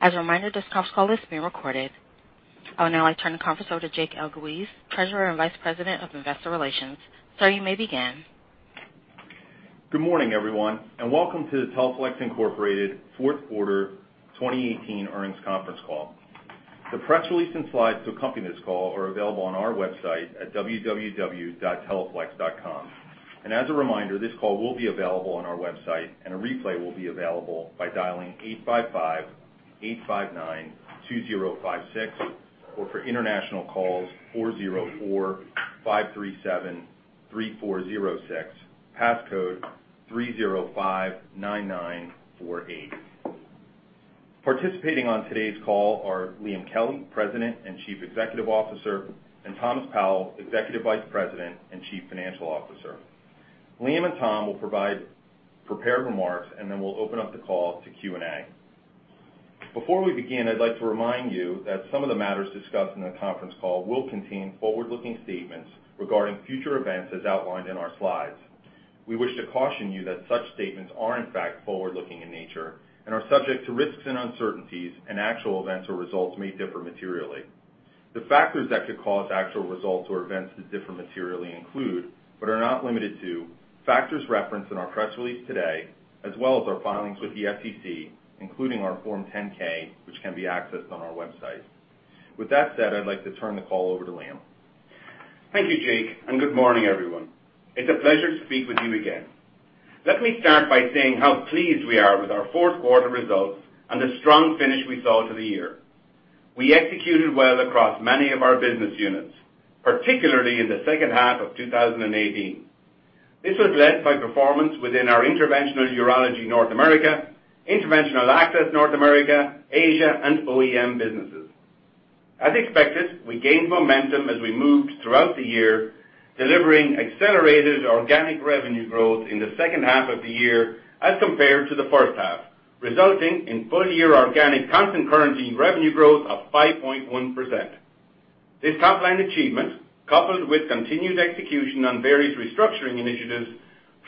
As a reminder, this conference call is being recorded. I would now like to turn the conference over to Jake Elguicze, Treasurer and Vice President of Investor Relations. Sir, you may begin. Good morning, everyone, and welcome to the Teleflex Incorporated fourth quarter 2018 earnings conference call. The press release and slides to accompany this call are available on our website at www.teleflex.com. As a reminder, this call will be available on our website, and a replay will be available by dialing 855-859-2056, or for international calls, 404-537-3406, passcode 3059948. Participating on today's call are Liam Kelly, President and Chief Executive Officer, and Thomas Powell, Executive Vice President and Chief Financial Officer. Liam and Tom will provide prepared remarks, then we'll open up the call to Q&A. Before we begin, I'd like to remind you that some of the matters discussed in the conference call will contain forward-looking statements regarding future events as outlined in our slides. We wish to caution you that such statements are in fact forward-looking in nature and are subject to risks and uncertainties, actual events or results may differ materially. The factors that could cause actual results or events to differ materially include, but are not limited to, factors referenced in our press release today, as well as our filings with the SEC, including our Form 10-K, which can be accessed on our website. With that said, I'd like to turn the call over to Liam. Thank you, Jake, good morning, everyone. It's a pleasure to speak with you again. Let me start by saying how pleased we are with our fourth quarter results and the strong finish we saw to the year. We executed well across many of our business units, particularly in the second half of 2018. This was led by performance within our Interventional Urology North America, Interventional Access North America, Asia, and OEM businesses. As expected, we gained momentum as we moved throughout the year, delivering accelerated organic revenue growth in the second half of the year as compared to the first half, resulting in full-year organic constant currency revenue growth of 5.1%. This top-line achievement, coupled with continued execution on various restructuring initiatives,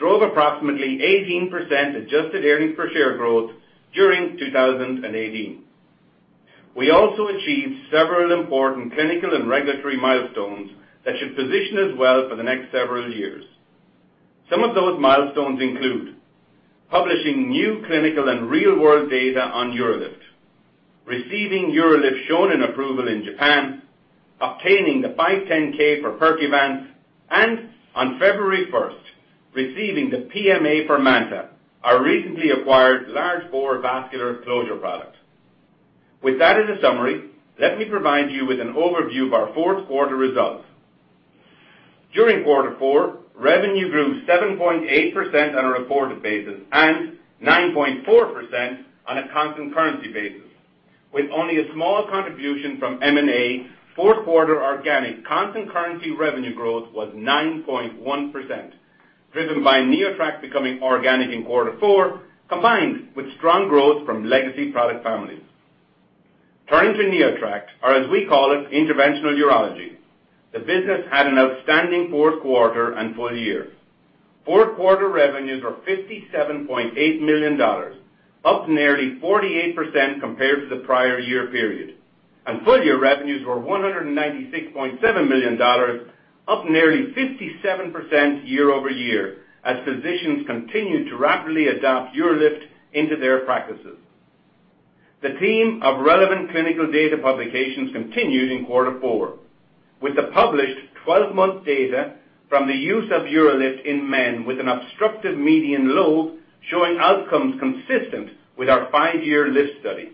drove approximately 18% adjusted earnings per share growth during 2018. We also achieved several important clinical and regulatory milestones that should position us well for the next several years. Some of those milestones include publishing new clinical and real-world data on UroLift, receiving UroLift Shonin approval in Japan, obtaining the 510(k) for Percuvance, and on February 1st, receiving the PMA for MANTA, our recently acquired large bore vascular closure product. With that as a summary, let me provide you with an overview of our fourth quarter results. During quarter four, revenue grew 7.8% on a reported basis and 9.4% on a constant currency basis. With only a small contribution from M&A, fourth quarter organic constant currency revenue growth was 9.1%, driven by NeoTract becoming organic in quarter four, combined with strong growth from legacy product families. Turning to NeoTract, or as we call it, Interventional Urology, the business had an outstanding fourth quarter and full year. Fourth quarter revenues were $57.8 million, up nearly 48% compared to the prior year period. Full-year revenues were $196.7 million, up nearly 57% year-over-year, as physicians continued to rapidly adopt UroLift into their practices. The theme of relevant clinical data publications continued in quarter four with the published 12-month data from the use of UroLift in men with an obstructive median lobe, showing outcomes consistent with our five-year lift study.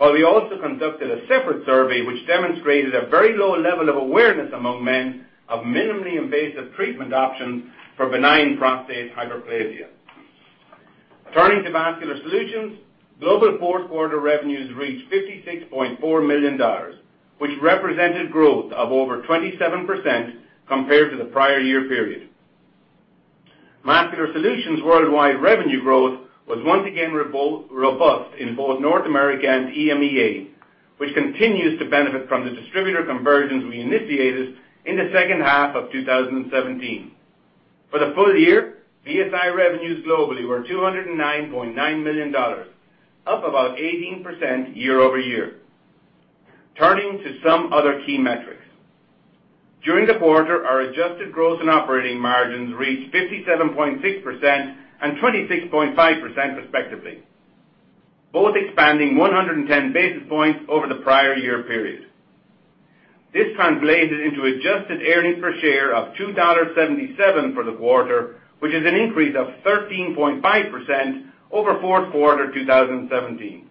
While we also conducted a separate survey which demonstrated a very low level of awareness among men of minimally invasive treatment options for benign prostatic hyperplasia. Turning to Vascular Solutions, global fourth quarter revenues reached $56.4 million, which represented growth of over 27% compared to the prior year period. Vascular Solutions worldwide revenue growth was once again robust in both North America and EMEA, which continues to benefit from the distributor conversions we initiated in the second half of 2017. For the full year, VSI revenues globally were $209.9 million, up about 18% year-over-year. Turning to some other key metrics. During the quarter, our adjusted gross and operating margins reached 57.6% and 26.5%, respectively, both expanding 110 basis points over the prior year period. This translated into adjusted earnings per share of $2.77 for the quarter, which is an increase of 13.5% over fourth quarter 2017.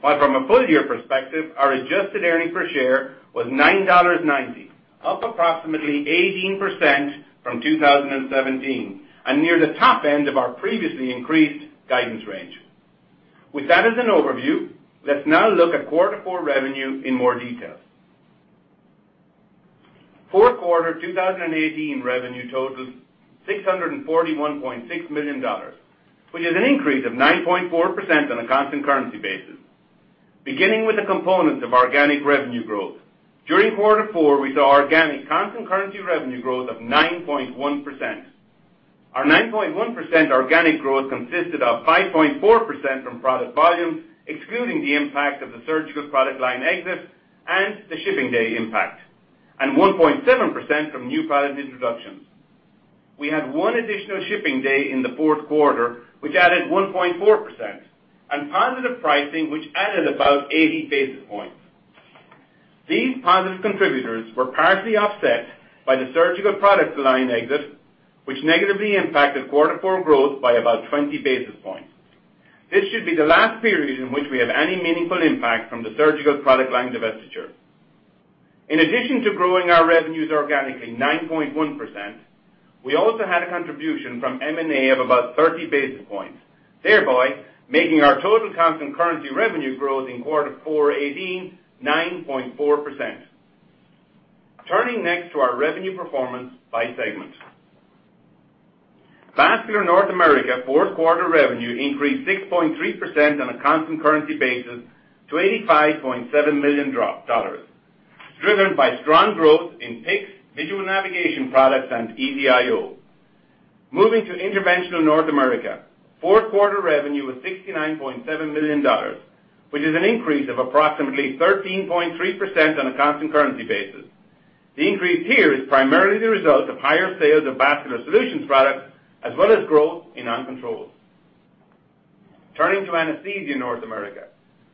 While from a full-year perspective, our adjusted earnings per share was $9.90, up approximately 18% from 2017, and near the top end of our previously increased guidance range. With that as an overview, let's now look at quarter four revenue in more detail. Fourth quarter 2018 revenue totaled $641.6 million, which is an increase of 9.4% on a constant currency basis. Beginning with the components of organic revenue growth. During quarter four, we saw organic constant currency revenue growth of 9.1%. Our 9.1% organic growth consisted of 5.4% from product volume, excluding the impact of the surgical product line exit and the shipping day impact, and 1.7% from new product introductions. We had one additional shipping day in the fourth quarter, which added 1.4%, and positive pricing, which added about 80 basis points. These positive contributors were partly offset by the surgical product line exit, which negatively impacted quarter four growth by about 20 basis points. This should be the last period in which we have any meaningful impact from the surgical product line divestiture. In addition to growing our revenues organically 9.1%, we also had a contribution from M&A of about 30 basis points, thereby making our total constant currency revenue growth in quarter four 2018, 9.4%. Turning next to our revenue performance by segment. Vascular North America fourth quarter revenue increased 6.3% on a constant currency basis to $85.7 million, driven by strong growth in PICCs, VasoNova navigation products, and EZ-IO. Moving to Interventional North America. Fourth quarter revenue was $69.7 million, which is an increase of approximately 13.3% on a constant currency basis. The increase here is primarily the result of higher sales of Vascular Solutions products, as well as growth in OnControl. Turning to Anesthesia North America.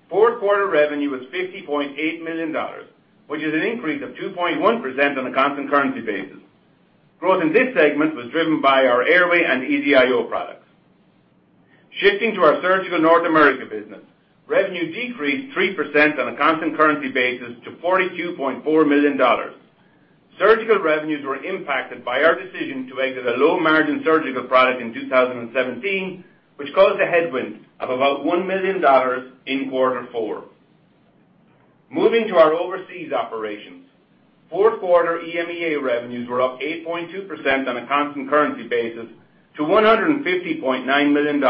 Fourth quarter revenue was $50.8 million, which is an increase of 2.1% on a constant currency basis. Growth in this segment was driven by our airway and EZ-IO products. Shifting to our Surgical North America business. Revenue decreased 3% on a constant currency basis to $42.4 million. Surgical revenues were impacted by our decision to exit a low-margin surgical product in 2017, which caused a headwind of about $1 million in quarter four. Moving to our overseas operations. Fourth quarter EMEA revenues were up 8.2% on a constant currency basis to $150.9 million.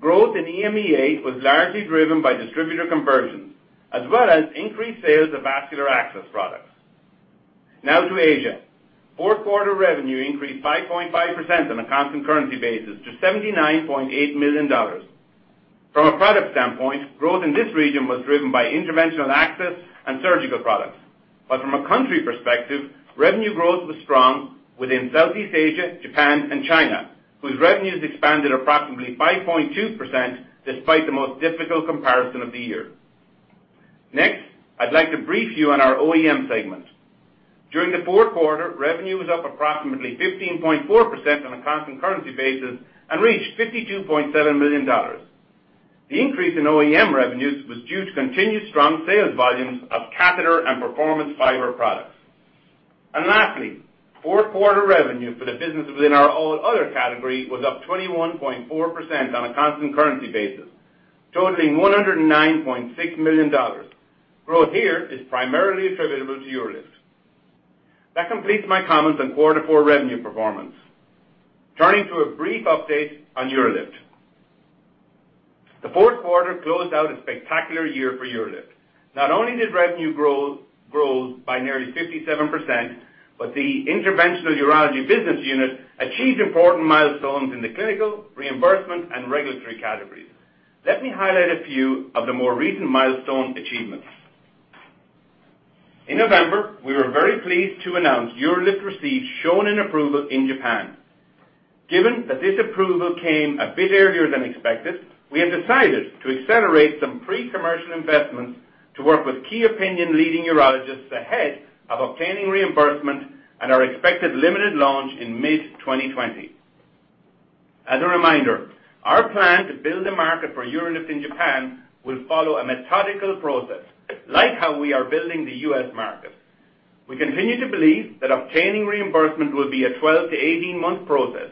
Growth in EMEA was largely driven by distributor conversions as well as increased sales of vascular access products. Now to Asia. Fourth quarter revenue increased 5.5% on a constant currency basis to $79.8 million. From a product standpoint, growth in this region was driven by interventional access and surgical products. But from a country perspective, revenue growth was strong within Southeast Asia, Japan, and China, whose revenues expanded approximately 5.2% despite the most difficult comparison of the year. Next, I'd like to brief you on our OEM segment. During the fourth quarter, revenue was up approximately 15.4% on a constant currency basis and reached $52.7 million. The increase in OEM revenues was due to continued strong sales volumes of catheter and performance fiber products. And lastly, fourth quarter revenue for the business within our all other category was up 21.4% on a constant currency basis, totaling $109.6 million. Growth here is primarily attributable to UroLift. That completes my comments on quarter four revenue performance. Turning to a brief update on UroLift. The fourth quarter closed out a spectacular year for UroLift. Not only did revenue grow by nearly 57%, but the Interventional Urology business unit achieved important milestones in the clinical, reimbursement, and regulatory categories. Let me highlight a few of the more recent milestone achievements. In November, we were very pleased to announce UroLift received Shonin approval in Japan. Given that this approval came a bit earlier than expected, we have decided to accelerate some pre-commercial investments to work with key opinion leading urologists ahead of obtaining reimbursement and our expected limited launch in mid-2020. As a reminder, our plan to build a market for UroLift in Japan will follow a methodical process, like how we are building the U.S. market. We continue to believe that obtaining reimbursement will be a 12 to 18-month process.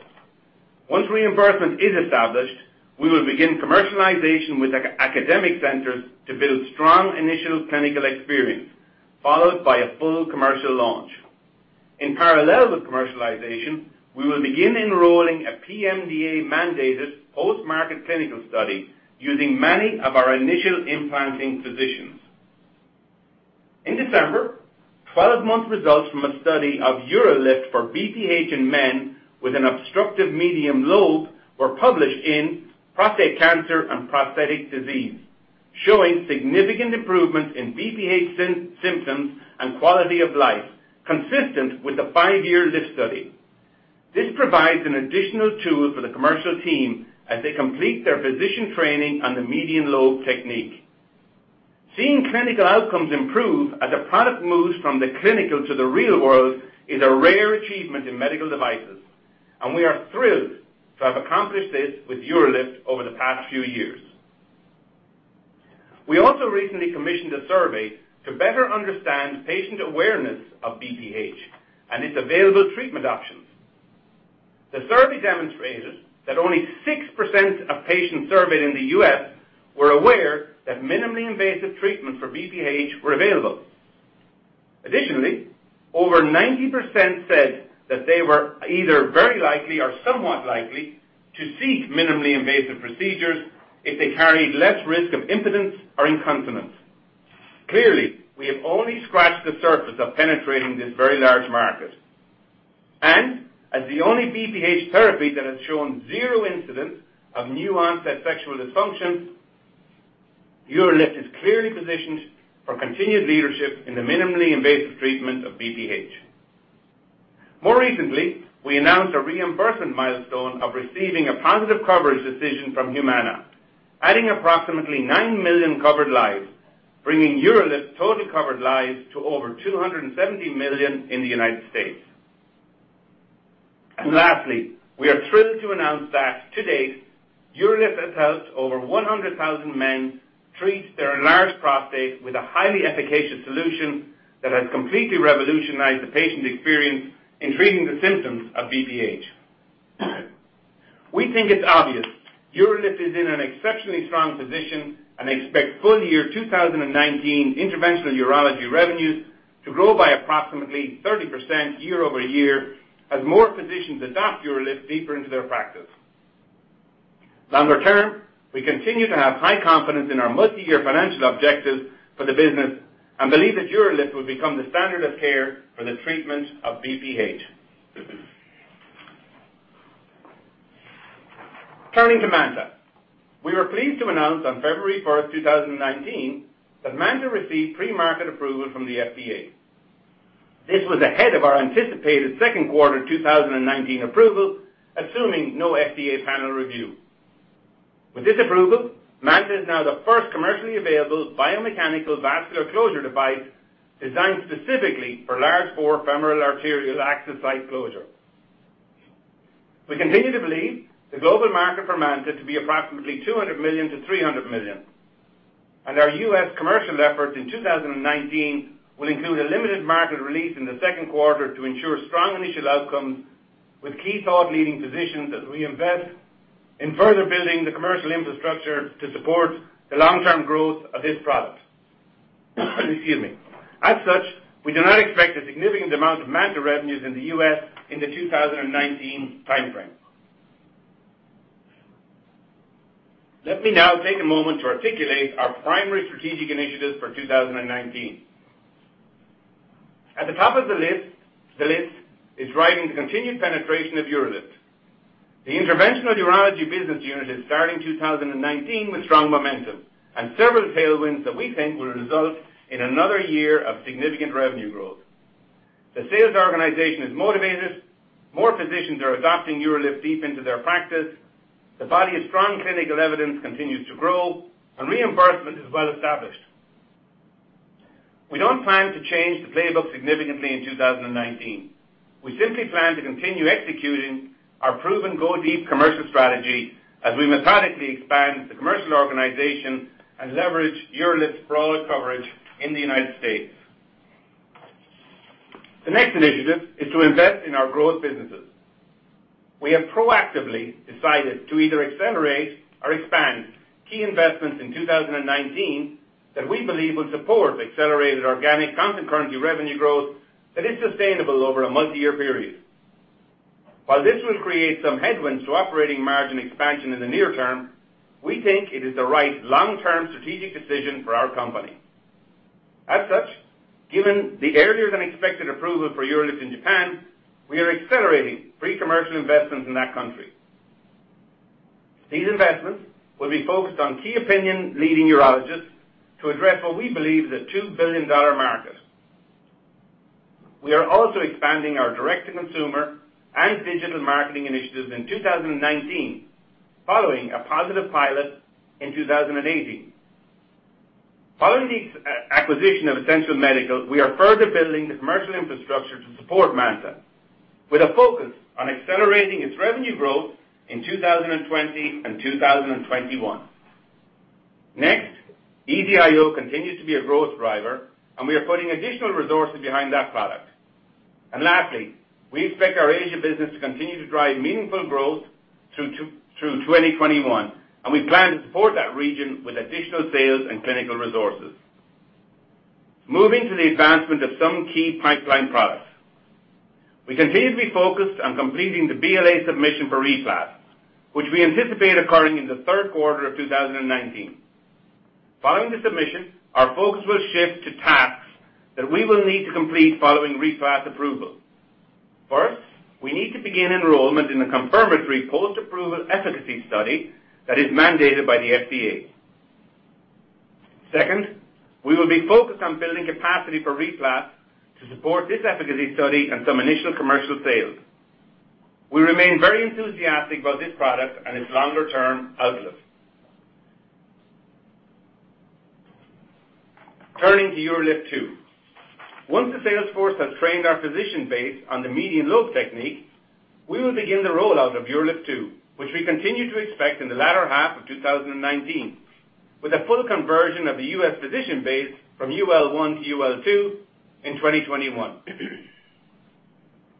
Once reimbursement is established, we will begin commercialization with academic centers to build strong initial clinical experience, followed by a full commercial launch. In parallel with commercialization, we will begin enrolling a PMDA-mandated post-market clinical study using many of our initial implanting physicians. In December, 12-month results from a study of UroLift for BPH in men with an obstructive median lobe were published in Prostate Cancer and Prostatic Disease, showing significant improvement in BPH symptoms and quality of life consistent with the five-year lift study. This provides an additional tool for the commercial team as they complete their physician training on the median lobe technique. Seeing clinical outcomes improve as a product moves from the clinical to the real world is a rare achievement in medical devices, and we are thrilled to have accomplished this with UroLift over the past few years. We also recently commissioned a survey to better understand patient awareness of BPH and its available treatment options. The survey demonstrated that only 6% of patients surveyed in the U.S. were aware that minimally invasive treatment for BPH were available. Additionally, over 90% said that they were either very likely or somewhat likely to seek minimally invasive procedures if they carried less risk of impotence or incontinence. Clearly, we have only scratched the surface of penetrating this very large market. as the only BPH therapy that has shown zero incidence of new onset sexual dysfunction, UroLift is clearly positioned for continued leadership in the minimally invasive treatment of BPH. More recently, we announced a reimbursement milestone of receiving a positive coverage decision from Humana, adding approximately 9 million covered lives, bringing UroLift total covered lives to over 270 million in the United States. Lastly, we are thrilled to announce that to date, UroLift has helped over 100,000 men treat their enlarged prostate with a highly efficacious solution that has completely revolutionized the patient experience in treating the symptoms of BPH. We think it's obvious, UroLift is in an exceptionally strong position and expect full year 2019 Interventional Urology revenues to grow by approximately 30% year-over-year as more physicians adopt UroLift deeper into their practice. Longer term, we continue to have high confidence in our multi-year financial objectives for the business and believe that UroLift will become the standard of care for the treatment of BPH. Turning to MANTA. We were pleased to announce on February 1st, 2019, that MANTA received pre-market approval from the FDA. This was ahead of our anticipated second quarter 2019 approval, assuming no FDA panel review. With this approval, MANTA is now the first commercially available biomechanical vascular closure device designed specifically for large bore femoral arterial access site closure. We continue to believe the global market for MANTA to be approximately $200 million-$300 million. Our U.S. commercial efforts in 2019 will include a limited market release in the second quarter to ensure strong initial outcomes with key thought leading physicians as we invest in further building the commercial infrastructure to support the long-term growth of this product. Excuse me. As such, we do not expect a significant amount of MANTA revenues in the U.S. in the 2019 timeframe. Let me now take a moment to articulate our primary strategic initiatives for 2019. At the top of the list is riding the continued penetration of UroLift. The Interventional Urology business unit is starting 2019 with strong momentum and several tailwinds that we think will result in another year of significant revenue growth. The sales organization is motivated. More physicians are adopting UroLift deep into their practice. The body of strong clinical evidence continues to grow, and reimbursement is well established. We don't plan to change the playbook significantly in 2019. We simply plan to continue executing our proven go deep commercial strategy as we methodically expand the commercial organization and leverage UroLift's broad coverage in the U.S. The next initiative is to invest in our growth businesses. We have proactively decided to either accelerate or expand key investments in 2019 that we believe will support accelerated organic constant currency revenue growth that is sustainable over a multi-year period. While this will create some headwinds to operating margin expansion in the near term, we think it is the right long-term strategic decision for our company. As such, given the earlier than expected approval for UroLift in Japan, we are accelerating pre-commercial investments in that country. These investments will be focused on key opinion leading urologists to address what we believe is a $2 billion market. We are also expanding our direct-to-consumer and digital marketing initiatives in 2019, following a positive pilot in 2018. Following the acquisition of Essential Medical, we are further building the commercial infrastructure to support MANTA, with a focus on accelerating its revenue growth in 2020 and 2021. EZ-IO continues to be a growth driver, and we are putting additional resources behind that product. Lastly, we expect our Asia business to continue to drive meaningful growth through 2021, and we plan to support that region with additional sales and clinical resources. Moving to the advancement of some key pipeline products. We continue to be focused on completing the BLA submission for RePlas, which we anticipate occurring in the third quarter of 2019. Following the submission, our focus will shift to tasks that we will need to complete following RePlas approval. First, we need to begin enrollment in a confirmatory post-approval efficacy study that is mandated by the FDA. Second, we will be focused on building capacity for RePlas to support this efficacy study and some initial commercial sales. We remain very enthusiastic about this product and its longer-term outlook. Turning to UroLift 2. Once the sales force has trained our physician base on the median lobe technique, we will begin the rollout of UroLift 2, which we continue to expect in the latter half of 2019, with a full conversion of the U.S. physician base from UL1 to UL2 in 2021.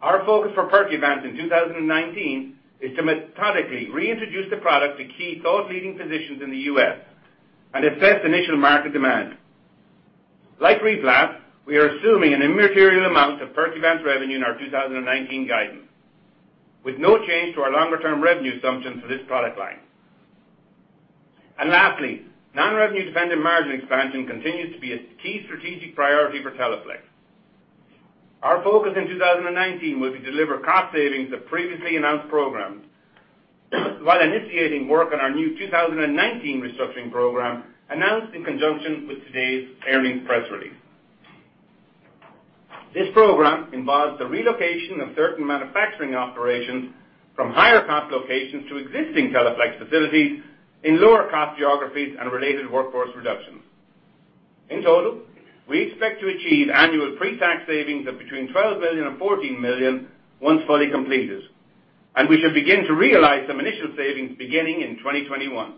Our focus for Percuvance in 2019 is to methodically reintroduce the product to key thought leading positions in the U.S. and assess initial market demand. Like RePlas, we are assuming an immaterial amount of Percuvance revenue in our 2019 guidance, with no change to our longer-term revenue assumptions for this product line. Lastly, non-revenue dependent margin expansion continues to be a key strategic priority for Teleflex. Our focus in 2019 will be to deliver cost savings of previously announced programs while initiating work on our new 2019 restructuring program announced in conjunction with today's earnings press release. This program involves the relocation of certain manufacturing operations from higher cost locations to existing Teleflex facilities in lower cost geographies and related workforce reductions. In total, we expect to achieve annual pre-tax savings of between $12 million and $14 million once fully completed, and we should begin to realize some initial savings beginning in 2021.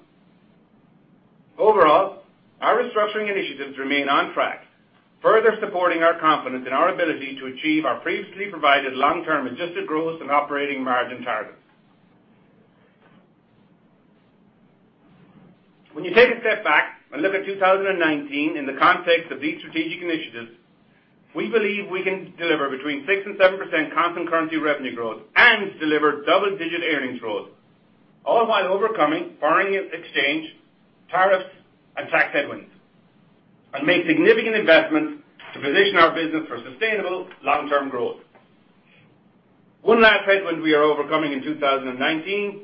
Overall, our restructuring initiatives remain on track, further supporting our confidence in our ability to achieve our previously provided long-term adjusted growth and operating margin targets. When you take a step back and look at 2019 in the context of these strategic initiatives, we believe we can deliver between 6% and 7% constant currency revenue growth and deliver double-digit earnings growth, all while overcoming foreign exchange tariffs and tax headwinds, and make significant investments to position our business for sustainable long-term growth. One last headwind we are overcoming in 2019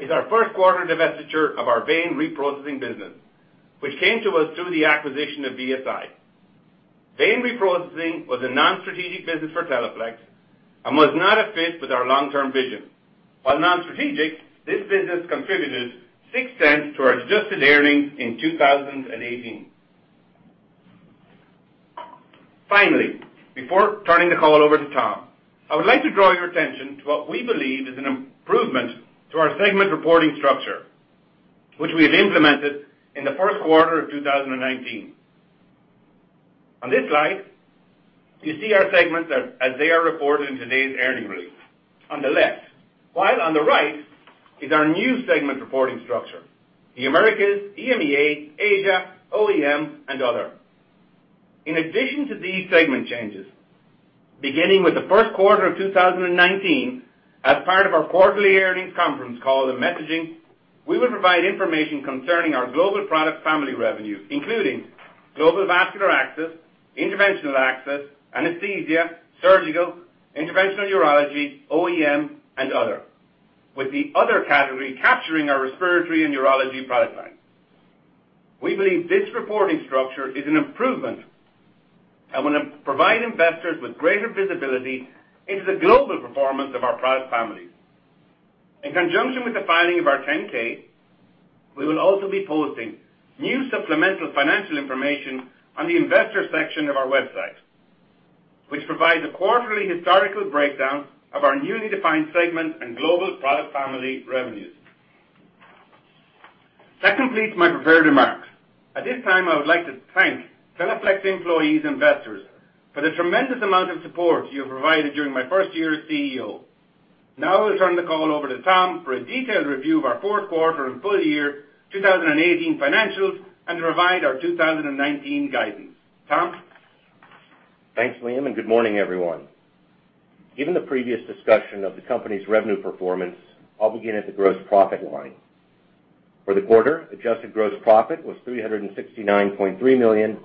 is our first quarter divestiture of our vein reprocessing business, which came to us through the acquisition of VSI. Vein reprocessing was a non-strategic business for Teleflex and was not a fit with our long-term vision. While non-strategic, this business contributed $0.06 to our adjusted earnings in 2018. Finally, before turning the call over to Tom, I would like to draw your attention to what we believe is an improvement to our segment reporting structure, which we have implemented in the first quarter of 2019. On this slide, you see our segments as they are reported in today's earnings release on the left, while on the right is our new segment reporting structure, the Americas, EMEA, Asia, OEM, and other. In addition to these segment changes, beginning with the first quarter of 2019, as part of our quarterly earnings conference call and messaging, we will provide information concerning our global product family revenues, including global vascular access, interventional access, anesthesia, surgical, Interventional Urology, OEM, and other, with the other category capturing our respiratory and urology product lines. We believe this reporting structure is an improvement and will provide investors with greater visibility into the global performance of our product families. In conjunction with the filing of our 10-K, we will also be posting new supplemental financial information on the investor section of our website, which provides a quarterly historical breakdown of our newly defined segment and global product family revenues. That completes my prepared remarks. At this time, I would like to thank Teleflex employees and investors for the tremendous amount of support you have provided during my first year as CEO. I will turn the call over to Tom for a detailed review of our fourth quarter and full year 2018 financials and to provide our 2019 guidance. Tom? Thanks, Liam. Good morning, everyone. Given the previous discussion of the company's revenue performance, I'll begin at the gross profit line. For the quarter, adjusted gross profit was $369.3 million,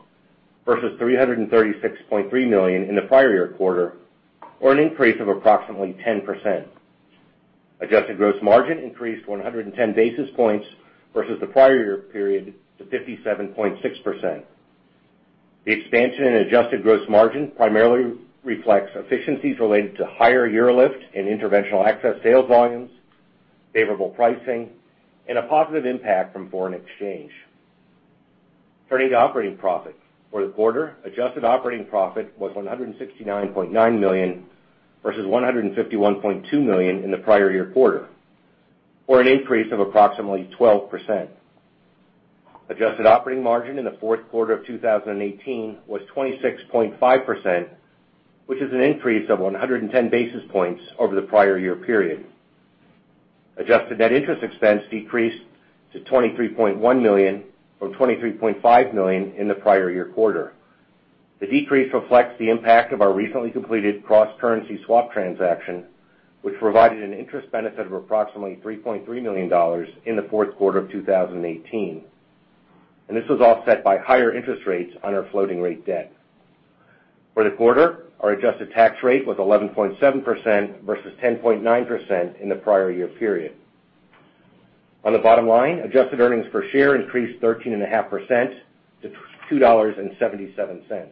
versus $336.3 million in the prior year quarter, or an increase of approximately 10%. Adjusted gross margin increased 110 basis points versus the prior year period to 57.6%. The expansion in adjusted gross margin primarily reflects efficiencies related to higher UroLift in Interventional Access sales volumes, favorable pricing, and a positive impact from foreign exchange. Turning to operating profit. For the quarter, adjusted operating profit was $169.9 million, versus $151.2 million in the prior year quarter, or an increase of approximately 12%. Adjusted operating margin in the fourth quarter of 2018 was 26.5%, which is an increase of 110 basis points over the prior year period. Adjusted net interest expense decreased to $23.1 million from $23.5 million in the prior year quarter. The decrease reflects the impact of our recently completed cross-currency swap transaction, which provided an interest benefit of approximately $3.3 million in the fourth quarter of 2018. This was offset by higher interest rates on our floating rate debt. For the quarter, our adjusted tax rate was 11.7% versus 10.9% in the prior year period. On the bottom line, adjusted earnings per share increased 13.5% to $2.77.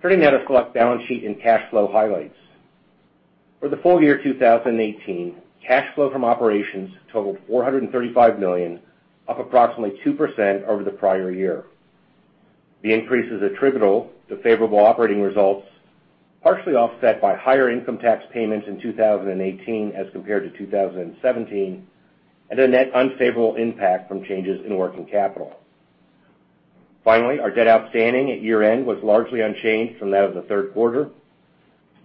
Turning now to our balance sheet and cash flow highlights. For the full year 2018, cash flow from operations totaled $435 million, up approximately 2% over the prior year. The increases attributable to favorable operating results, partially offset by higher income tax payments in 2018 as compared to 2017, and a net unfavorable impact from changes in working capital. Finally, our debt outstanding at year-end was largely unchanged from that of the third quarter.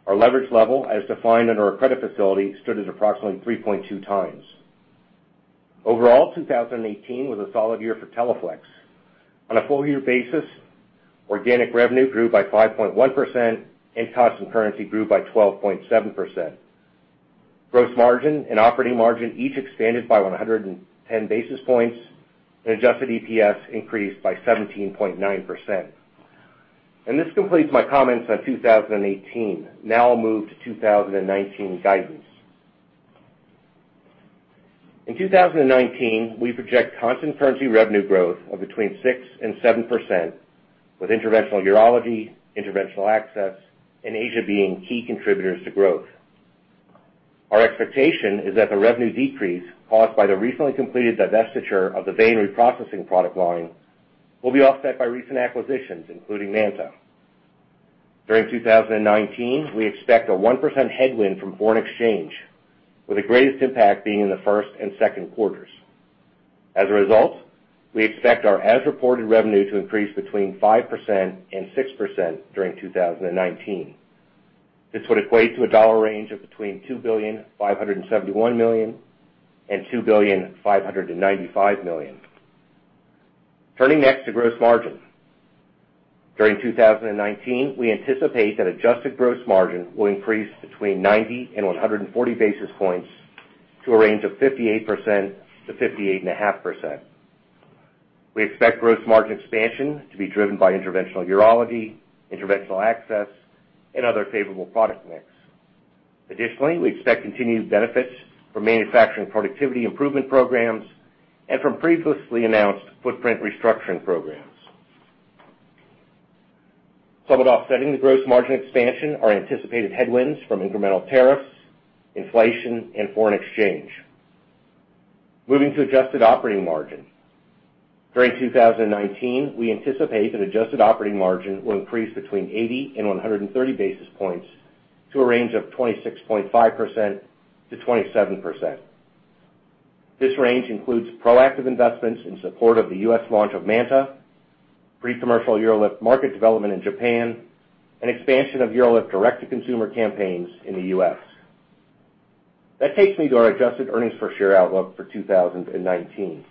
Our leverage level, as defined under our credit facility, stood at approximately 3.2 times. Overall, 2018 was a solid year for Teleflex. On a full-year basis, organic revenue grew by 5.1% and constant currency grew by 12.7%. Gross margin and operating margin each expanded by 110 basis points, and adjusted EPS increased by 17.9%. This completes my comments on 2018. Now I'll move to 2019 guidance. In 2019, we project constant currency revenue growth of between 6% and 7%, with Interventional Urology, Interventional Access, and Asia being key contributors to growth. Our expectation is that the revenue decrease caused by the recently completed divestiture of the vein reprocessing product line will be offset by recent acquisitions, including MANTA. During 2019, we expect a 1% headwind from foreign exchange, with the greatest impact being in the first and second quarters. As a result, we expect our as-reported revenue to increase between 5% and 6% during 2019. This would equate to a dollar range of between $2,571,000,000-$2,595,000,000. Turning next to gross margin. During 2019, we anticipate that adjusted gross margin will increase between 90 and 140 basis points to a range of 58%-58.5%. We expect gross margin expansion to be driven by Interventional Urology, Interventional Access, and other favorable product mix. Additionally, we expect continued benefits from manufacturing productivity improvement programs and from previously announced footprint restructuring programs. Somewhat offsetting the gross margin expansion are anticipated headwinds from incremental tariffs, inflation, and foreign exchange. Moving to adjusted operating margin. During 2019, we anticipate that adjusted operating margin will increase between 80 and 130 basis points to a range of 26.5%-27%. This range includes proactive investments in support of the U.S. launch of MANTA, pre-commercial UroLift market development in Japan, and expansion of UroLift direct-to-consumer campaigns in the U.S. That takes me to our adjusted earnings per share outlook for 2019.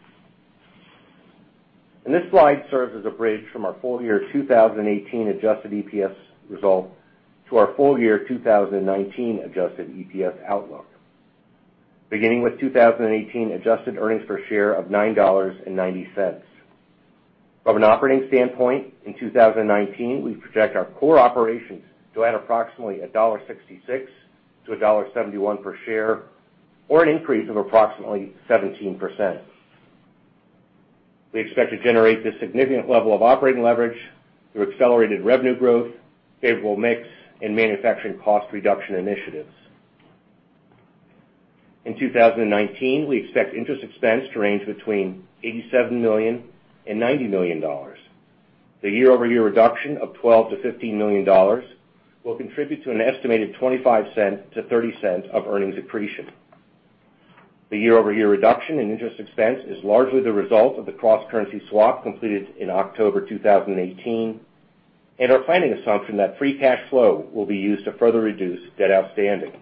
This slide serves as a bridge from our full-year 2018 adjusted EPS result to our full-year 2019 adjusted EPS outlook. Beginning with 2018 adjusted earnings per share of $9.90. From an operating standpoint, in 2019, we project our core operations to add approximately $1.66 to $1.71 per share, or an increase of approximately 17%. We expect to generate this significant level of operating leverage through accelerated revenue growth, favorable mix, and manufacturing cost reduction initiatives. In 2019, we expect interest expense to range between $87 million and $90 million. The year-over-year reduction of $12 million-$15 million will contribute to an estimated $0.25-$0.30 of earnings accretion. The year-over-year reduction in interest expense is largely the result of the cross-currency swap completed in October 2018 and our planning assumption that free cash flow will be used to further reduce debt outstanding.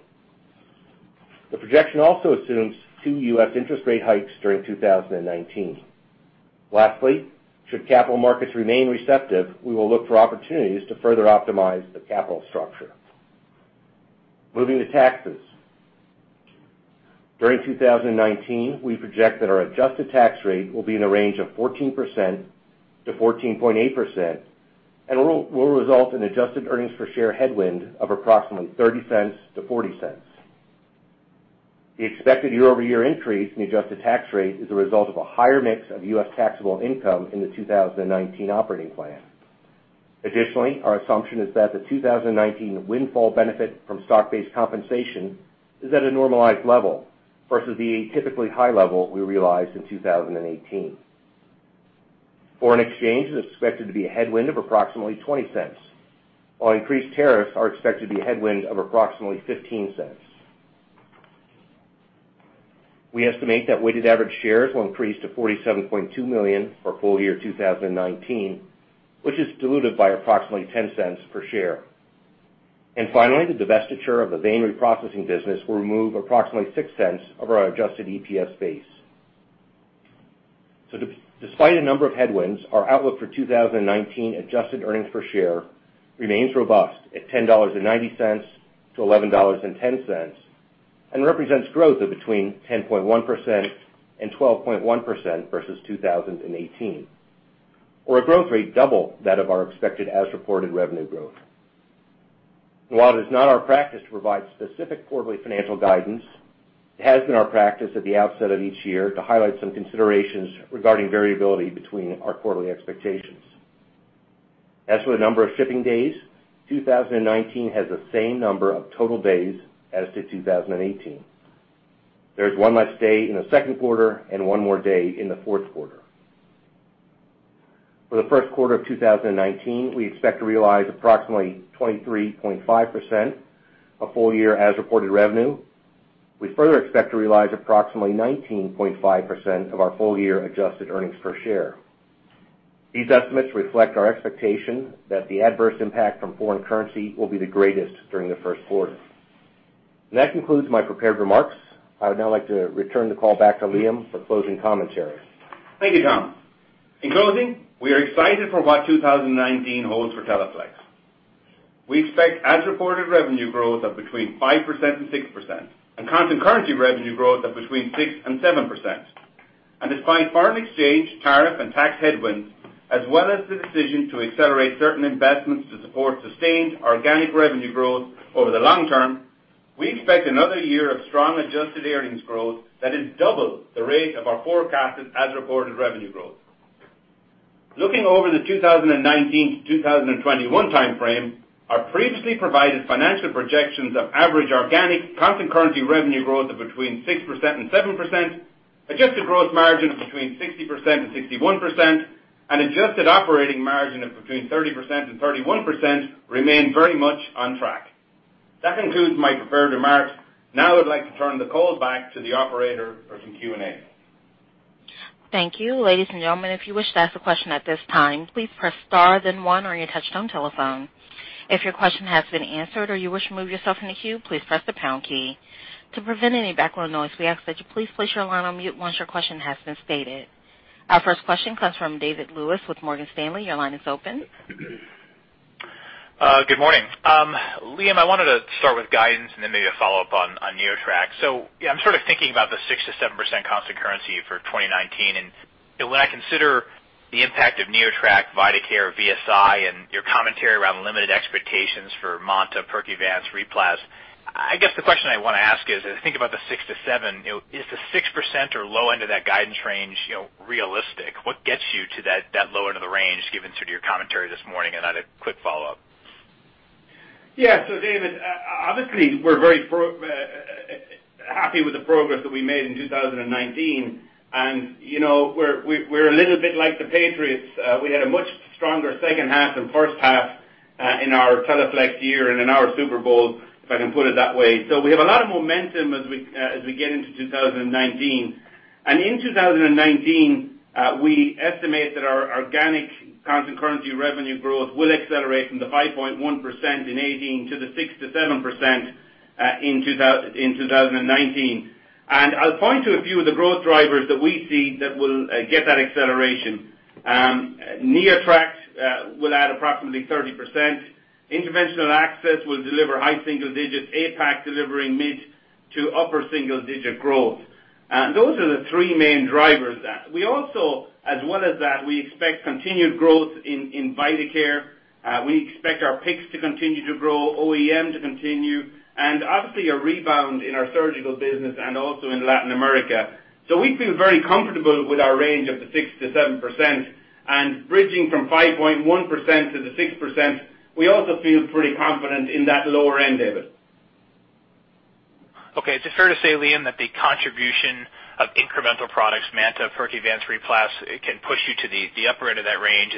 The projection also assumes two U.S. interest rate hikes during 2019. Lastly, should capital markets remain receptive, we will look for opportunities to further optimize the capital structure. Moving to taxes. During 2019, we project that our adjusted tax rate will be in a range of 14%-14.8% and will result in adjusted earnings per share headwind of approximately $0.30-$0.40. The expected year-over-year increase in the adjusted tax rate is a result of a higher mix of U.S. taxable income in the 2019 operating plan. Additionally, our assumption is that the 2019 windfall benefit from stock-based compensation is at a normalized level versus the typically high level we realized in 2018. Foreign exchange is expected to be a headwind of approximately $0.20, while increased tariffs are expected to be a headwind of approximately $0.15. We estimate that weighted average shares will increase to 47.2 million for full year 2019, which is diluted by approximately $0.10 per share. Finally, the divestiture of the vein reprocessing business will remove approximately $0.06 of our adjusted EPS base. Despite a number of headwinds, our outlook for 2019 adjusted earnings per share remains robust at $10.90-$11.10 and represents growth of between 10.1%-12.1% versus 2018, or a growth rate double that of our expected as-reported revenue growth. While it is not our practice to provide specific quarterly financial guidance, it has been our practice at the outset of each year to highlight some considerations regarding variability between our quarterly expectations. As for the number of shipping days, 2019 has the same number of total days as to 2018. There is one less day in the second quarter and one more day in the fourth quarter. For the first quarter of 2019, we expect to realize approximately 23.5% of full-year as-reported revenue. We further expect to realize approximately 19.5% of our full-year adjusted earnings per share. These estimates reflect our expectation that the adverse impact from foreign currency will be the greatest during the first quarter. That concludes my prepared remarks. I would now like to return the call back to Liam for closing commentary. Thank you, Tom. In closing, we are excited for what 2019 holds for Teleflex. We expect as-reported revenue growth of between 5%-6%, and constant currency revenue growth of between 6%-7%. Despite foreign exchange, tariff, and tax headwinds, as well as the decision to accelerate certain investments to support sustained organic revenue growth over the long term, we expect another year of strong adjusted earnings growth that is double the rate of our forecasted as-reported revenue growth. Looking over the 2019-2021 timeframe, our previously provided financial projections of average organic constant currency revenue growth of between 6%-7%, adjusted gross margin of between 60%-61%, and adjusted operating margin of between 30%-31% remain very much on track. That concludes my prepared remarks. Now I'd like to turn the call back to the operator for some Q&A. Thank you. Ladies and gentlemen, if you wish to ask a question at this time, please press star one on your touchtone telephone. If your question has been answered or you wish to remove yourself from the queue, please press the pound key. To prevent any background noise, we ask that you please place your line on mute once your question has been stated. Our first question comes from David Lewis with Morgan Stanley. Your line is open. Good morning. Liam, I wanted to start with guidance and then maybe a follow-up on NeoTract. I'm sort of thinking about the 6%-7% constant currency for 2019. When I consider the impact of NeoTract, Vidacare, VSI, and your commentary around limited expectations for MANTA, Percuvance, RePlas, I guess the question I want to ask is, I think about the 6%-7%, is the 6% or low end of that guidance range realistic? What gets you to that low end of the range given sort of your commentary this morning? I had a quick follow-up. Yeah. David, obviously, we are very happy with the progress that we made in 2019. We are a little bit like the New England Patriots. We had a much stronger second half than first half, in our Teleflex year and in our Super Bowl, if I can put it that way. We have a lot of momentum as we get into 2019. In 2019, we estimate that our organic constant currency revenue growth will accelerate from the 5.1% in 2018 to the 6%-7% in 2019. I will point to a few of the growth drivers that we see that will get that acceleration. NeoTract will add approximately 30%. Interventional Urology will deliver high single digits, APAC delivering mid to upper single-digit growth. Those are the three main drivers. We also, as well as that, we expect continued growth in Vidacare. We expect our PICCs to continue to grow, OEM to continue, and obviously a rebound in our surgical business and also in Latin America. We feel very comfortable with our range of the 6%-7%, and bridging from 5.1% to the 6%, we also feel pretty confident in that lower end, David. Okay. Is it fair to say, Liam, that the contribution of incremental products, MANTA, Percuvance, RePlas, it can push you to the upper end of that range?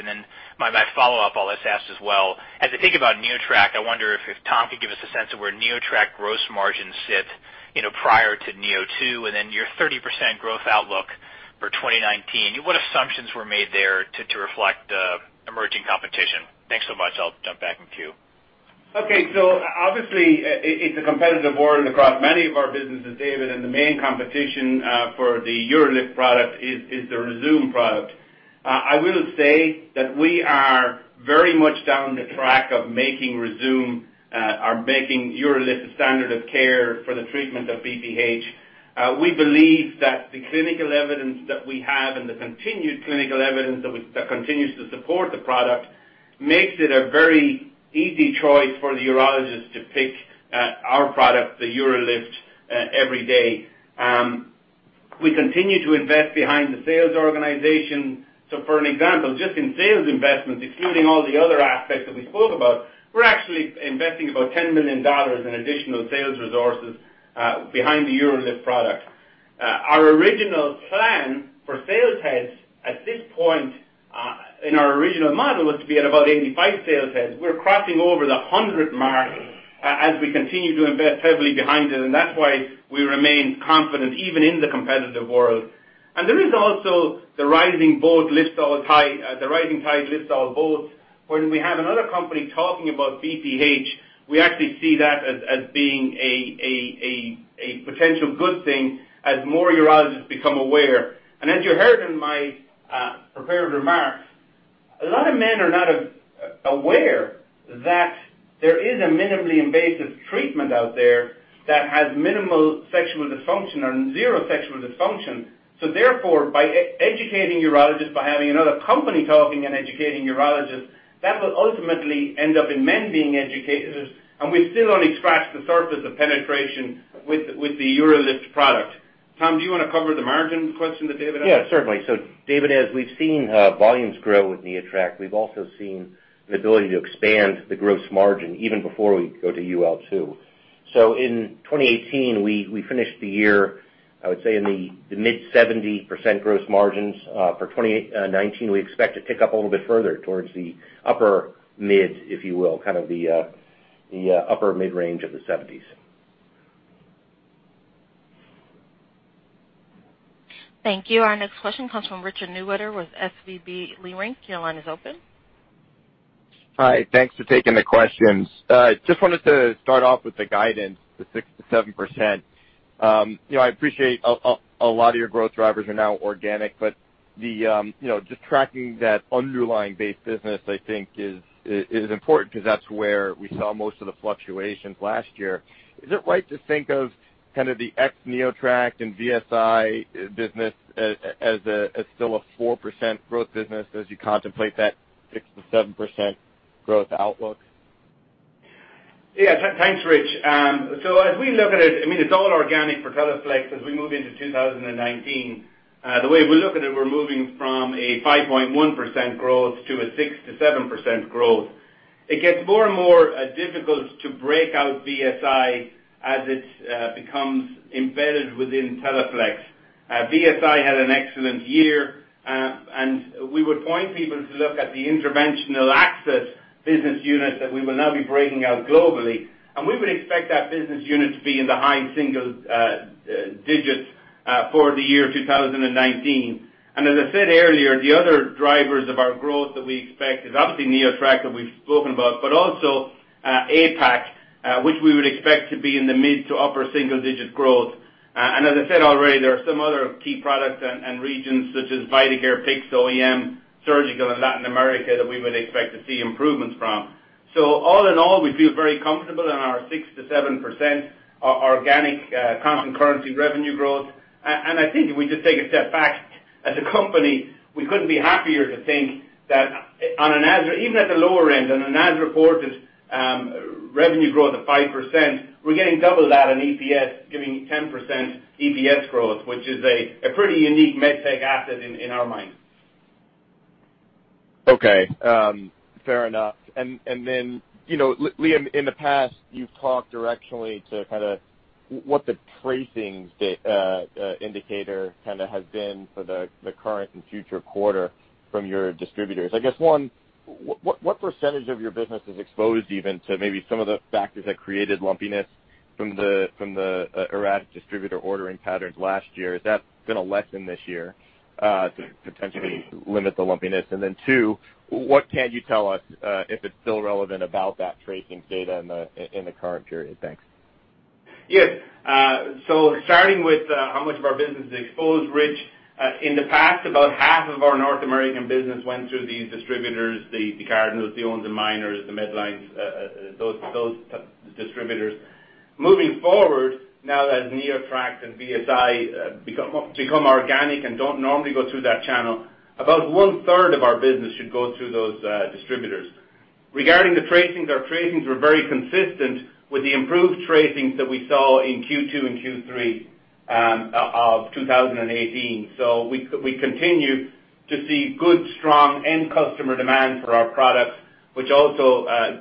My follow-up, I will just ask as well. As I think about NeoTract, I wonder if Tom could give us a sense of where NeoTract gross margins sit prior to Neo2, and then your 30% growth outlook for 2019. What assumptions were made there to reflect emerging competition? Thanks so much. I will jump back in queue. Okay. Obviously, it is a competitive world across many of our businesses, David, and the main competition for the UroLift product is the Rezūm product. I will say that we are very much down the track of making Rezūm, or making UroLift the standard of care for the treatment of BPH. We believe that the clinical evidence that we have and the continued clinical evidence that continues to support the product makes it a very easy choice for the urologist to pick our product, the UroLift, every day. We continue to invest behind the sales organization. For an example, just in sales investments, excluding all the other aspects that we spoke about, we are actually investing about $10 million in additional sales resources behind the UroLift product. Our original plan for sales heads at this point in our original model was to be at about 85 sales heads. We're crossing over the 100 mark as we continue to invest heavily behind it, that's why we remain confident even in the competitive world. There is also the rising tide lifts all boats. When we have another company talking about BPH, we actually see that as being a potential good thing as more urologists become aware. As you heard in my prepared remarks, a lot of men are not aware that there is a minimally invasive treatment out there that has minimal sexual dysfunction or zero sexual dysfunction. Therefore, by educating urologists, by having another company talking and educating urologists, that will ultimately end up in men being educated. We've still only scratched the surface of penetration with the UroLift product. Tom, do you want to cover the margin question that David asked? Yeah, certainly. David, as we've seen volumes grow with NeoTract, we've also seen the ability to expand the gross margin even before we go to UL2. In 2018, we finished the year I would say in the mid 70% gross margins. For 2019, we expect to tick up a little bit further towards the upper mid, if you will, the upper mid-range of the 70s. Thank you. Our next question comes from Richard Newitter with SVB Leerink. Your line is open. Hi. Thanks for taking the questions. Just wanted to start off with the guidance, the 6%-7%. I appreciate a lot of your growth drivers are now organic, but just tracking that underlying base business, I think is important because that's where we saw most of the fluctuations last year. Is it right to think of kind of the ex NeoTract and VSI business as still a 4% growth business as you contemplate that 6%-7% growth outlook? Yeah. Thanks, Rich. As we look at it's all organic for Teleflex as we move into 2019. The way we look at it, we're moving from a 5.1% growth to a 6%-7% growth. It gets more and more difficult to break out VSI as it becomes embedded within Teleflex. VSI had an excellent year. We would point people to look at the interventional access business unit that we will now be breaking out globally. We would expect that business unit to be in the high single digits for the year 2019. As I said earlier, the other drivers of our growth that we expect is obviously NeoTract that we've spoken about, but also APAC, which we would expect to be in the mid to upper single-digit growth. As I said already, there are some other key products and regions such as Vidacare, PICCs, OEM, Surgical and Latin America that we would expect to see improvements from. All in all, we feel very comfortable in our 6%-7% organic constant currency revenue growth. I think if we just take a step back, as a company, we couldn't be happier to think that even at the lower end, on an as-reported revenue growth of 5%, we're getting double that in EPS, giving you 10% EPS growth, which is a pretty unique med tech asset in our minds. Okay. Fair enough. Then, Liam, in the past, you've talked directionally to what the tracings indicator has been for the current and future quarter from your distributors. I guess, one, what percentage of your business is exposed even to maybe some of the factors that created lumpiness from the erratic distributor ordering patterns last year? Has that been a lesson this year to potentially limit the lumpiness? And then two, what can you tell us, if it's still relevant, about that tracings data in the current period? Thanks. Starting with how much of our business is exposed, Rich, in the past, about half of our North American business went through these distributors, the Cardinal, the Owens & Minor, the Medline, those distributors. Moving forward, now that NeoTract and VSI become organic and don't normally go through that channel, about one-third of our business should go through those distributors. Regarding the tracings, our tracings were very consistent with the improved tracings that we saw in Q2 and Q3 of 2018. We continue to see good, strong end customer demand for our products, which also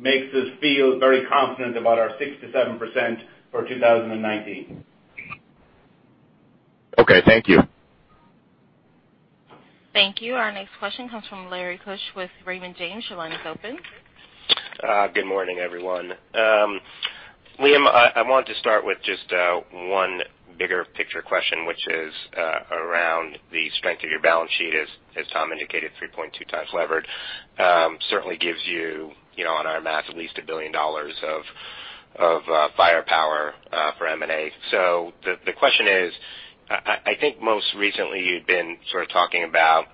makes us feel very confident about our 6%-7% for 2019. Okay, thank you. Thank you. Our next question comes from Lawrence Keusch with Raymond James. Your line is open. Good morning, everyone. Liam, I want to start with just one bigger picture question, which is around the strength of your balance sheet, as Tom indicated, 3.2 times levered. Certainly gives you, on our math, at least $1 billion of firepower for M&A. The question is, I think most recently you've been sort of talking about,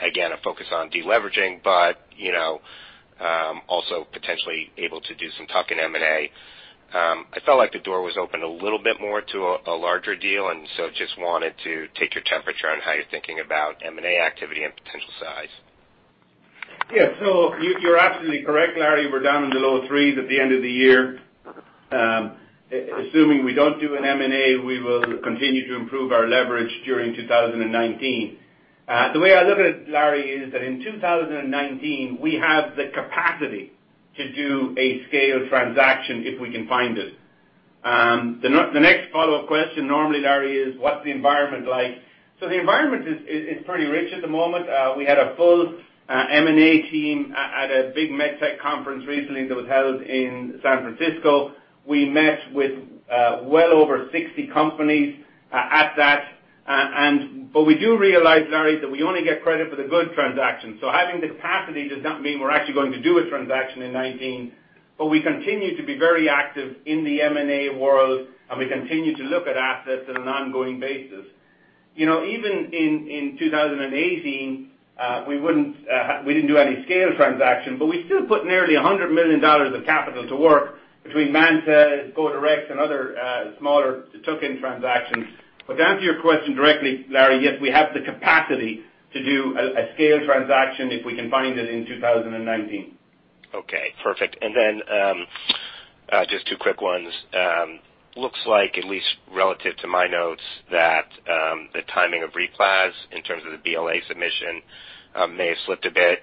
again, a focus on deleveraging, but also potentially able to do some tuck-in M&A. I felt like the door was open a little bit more to a larger deal, just wanted to take your temperature on how you're thinking about M&A activity and potential size. You're absolutely correct, Larry. We're down in the low threes at the end of the year. Assuming we don't do an M&A, we will continue to improve our leverage during 2019. The way I look at it, Larry, is that in 2019, we have the capacity to do a scaled transaction if we can find it. The next follow-up question normally, Larry, is what's the environment like? The environment is pretty rich at the moment. We had a full M&A team at a big medtech conference recently that was held in San Francisco. We met with well over 60 companies at that. We do realize, Larry, that we only get credit for the good transactions. Having the capacity does not mean we're actually going to do a transaction in 2019. We continue to be very active in the M&A world, and we continue to look at assets on an ongoing basis. Even in 2018, we didn't do any scaled transaction, but we still put nearly $100 million of capital to work between MANTA, Codirex, and other smaller tuck-in transactions. Down to your question directly, Larry, yes, we have the capacity to do a scaled transaction if we can find it in 2019. Perfect. Just two quick ones. Looks like, at least relative to my notes, that the timing of RePlas, in terms of the BLA submission, may have slipped a bit.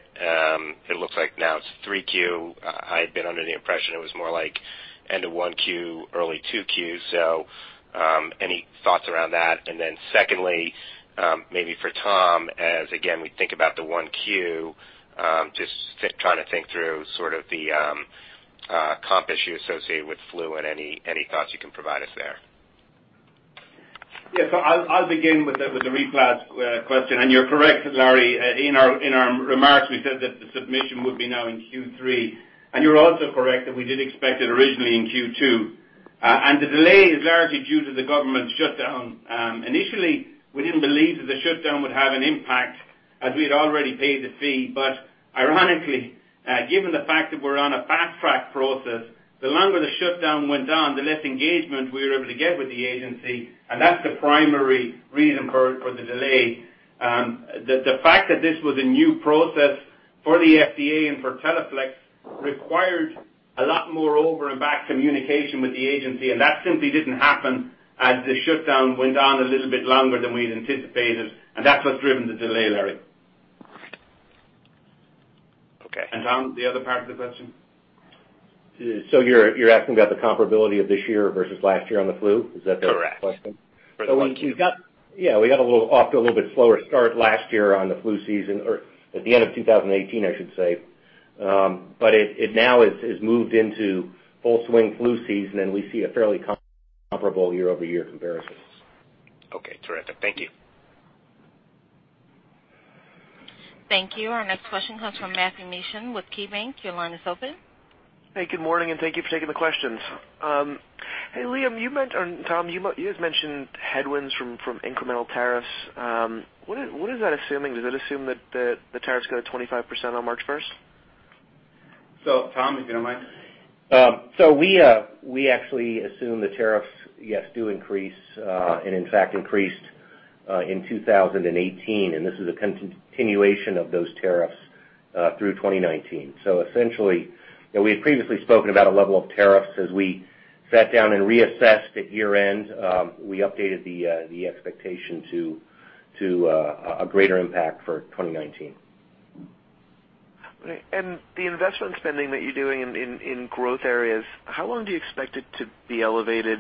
It looks like now it's Q3. I had been under the impression it was more like end of Q1, early Q2. Any thoughts around that? Secondly, maybe for Tom, as again we think about the Q1, just trying to think through sort of the comp issue associated with flu and any thoughts you can provide us there. I'll begin with the RePlas question. You're correct, Larry. In our remarks, we said that the submission would be now in Q3. You're also correct, that we did expect it originally in Q2. The delay is largely due to the government shutdown. Initially, we didn't believe that the shutdown would have an impact as we'd already paid the fee. Ironically, given the fact that we're on a fast-track process, the longer the shutdown went on, the less engagement we were able to get with the agency, and that's the primary reason for the delay. The fact that this was a new process for the FDA and for Teleflex required a lot more over-and-back communication with the agency, and that simply didn't happen as the shutdown went on a little bit longer than we'd anticipated, and that's what's driven the delay, Larry. Okay. Tom, the other part of the question? You're asking about the comparability of this year versus last year on the flu? Is that? Correct question? For the 1Q. Yeah. We got off to a little bit slower start last year on the flu season, or at the end of 2018, I should say. It now has moved into full swing flu season, and we see a fairly comparable year-over-year comparisons. Okay, terrific. Thank you. Thank you. Our next question comes from Matthew Mishan with KeyBanc. Your line is open. Hey, good morning, thank you for taking the questions. Hey, Liam or Tom, you had mentioned headwinds from incremental tariffs. What is that assuming? Does that assume that the tariff's going to 25% on March 1st? Tom, if you don't mind. We actually assume the tariffs, yes, do increase, and in fact increased, in 2018, and this is a continuation of those tariffs through 2019. Essentially, we had previously spoken about a level of tariffs. As we sat down and reassessed at year-end, we updated the expectation to a greater impact for 2019. Great. The investment spending that you're doing in growth areas, how long do you expect it to be elevated,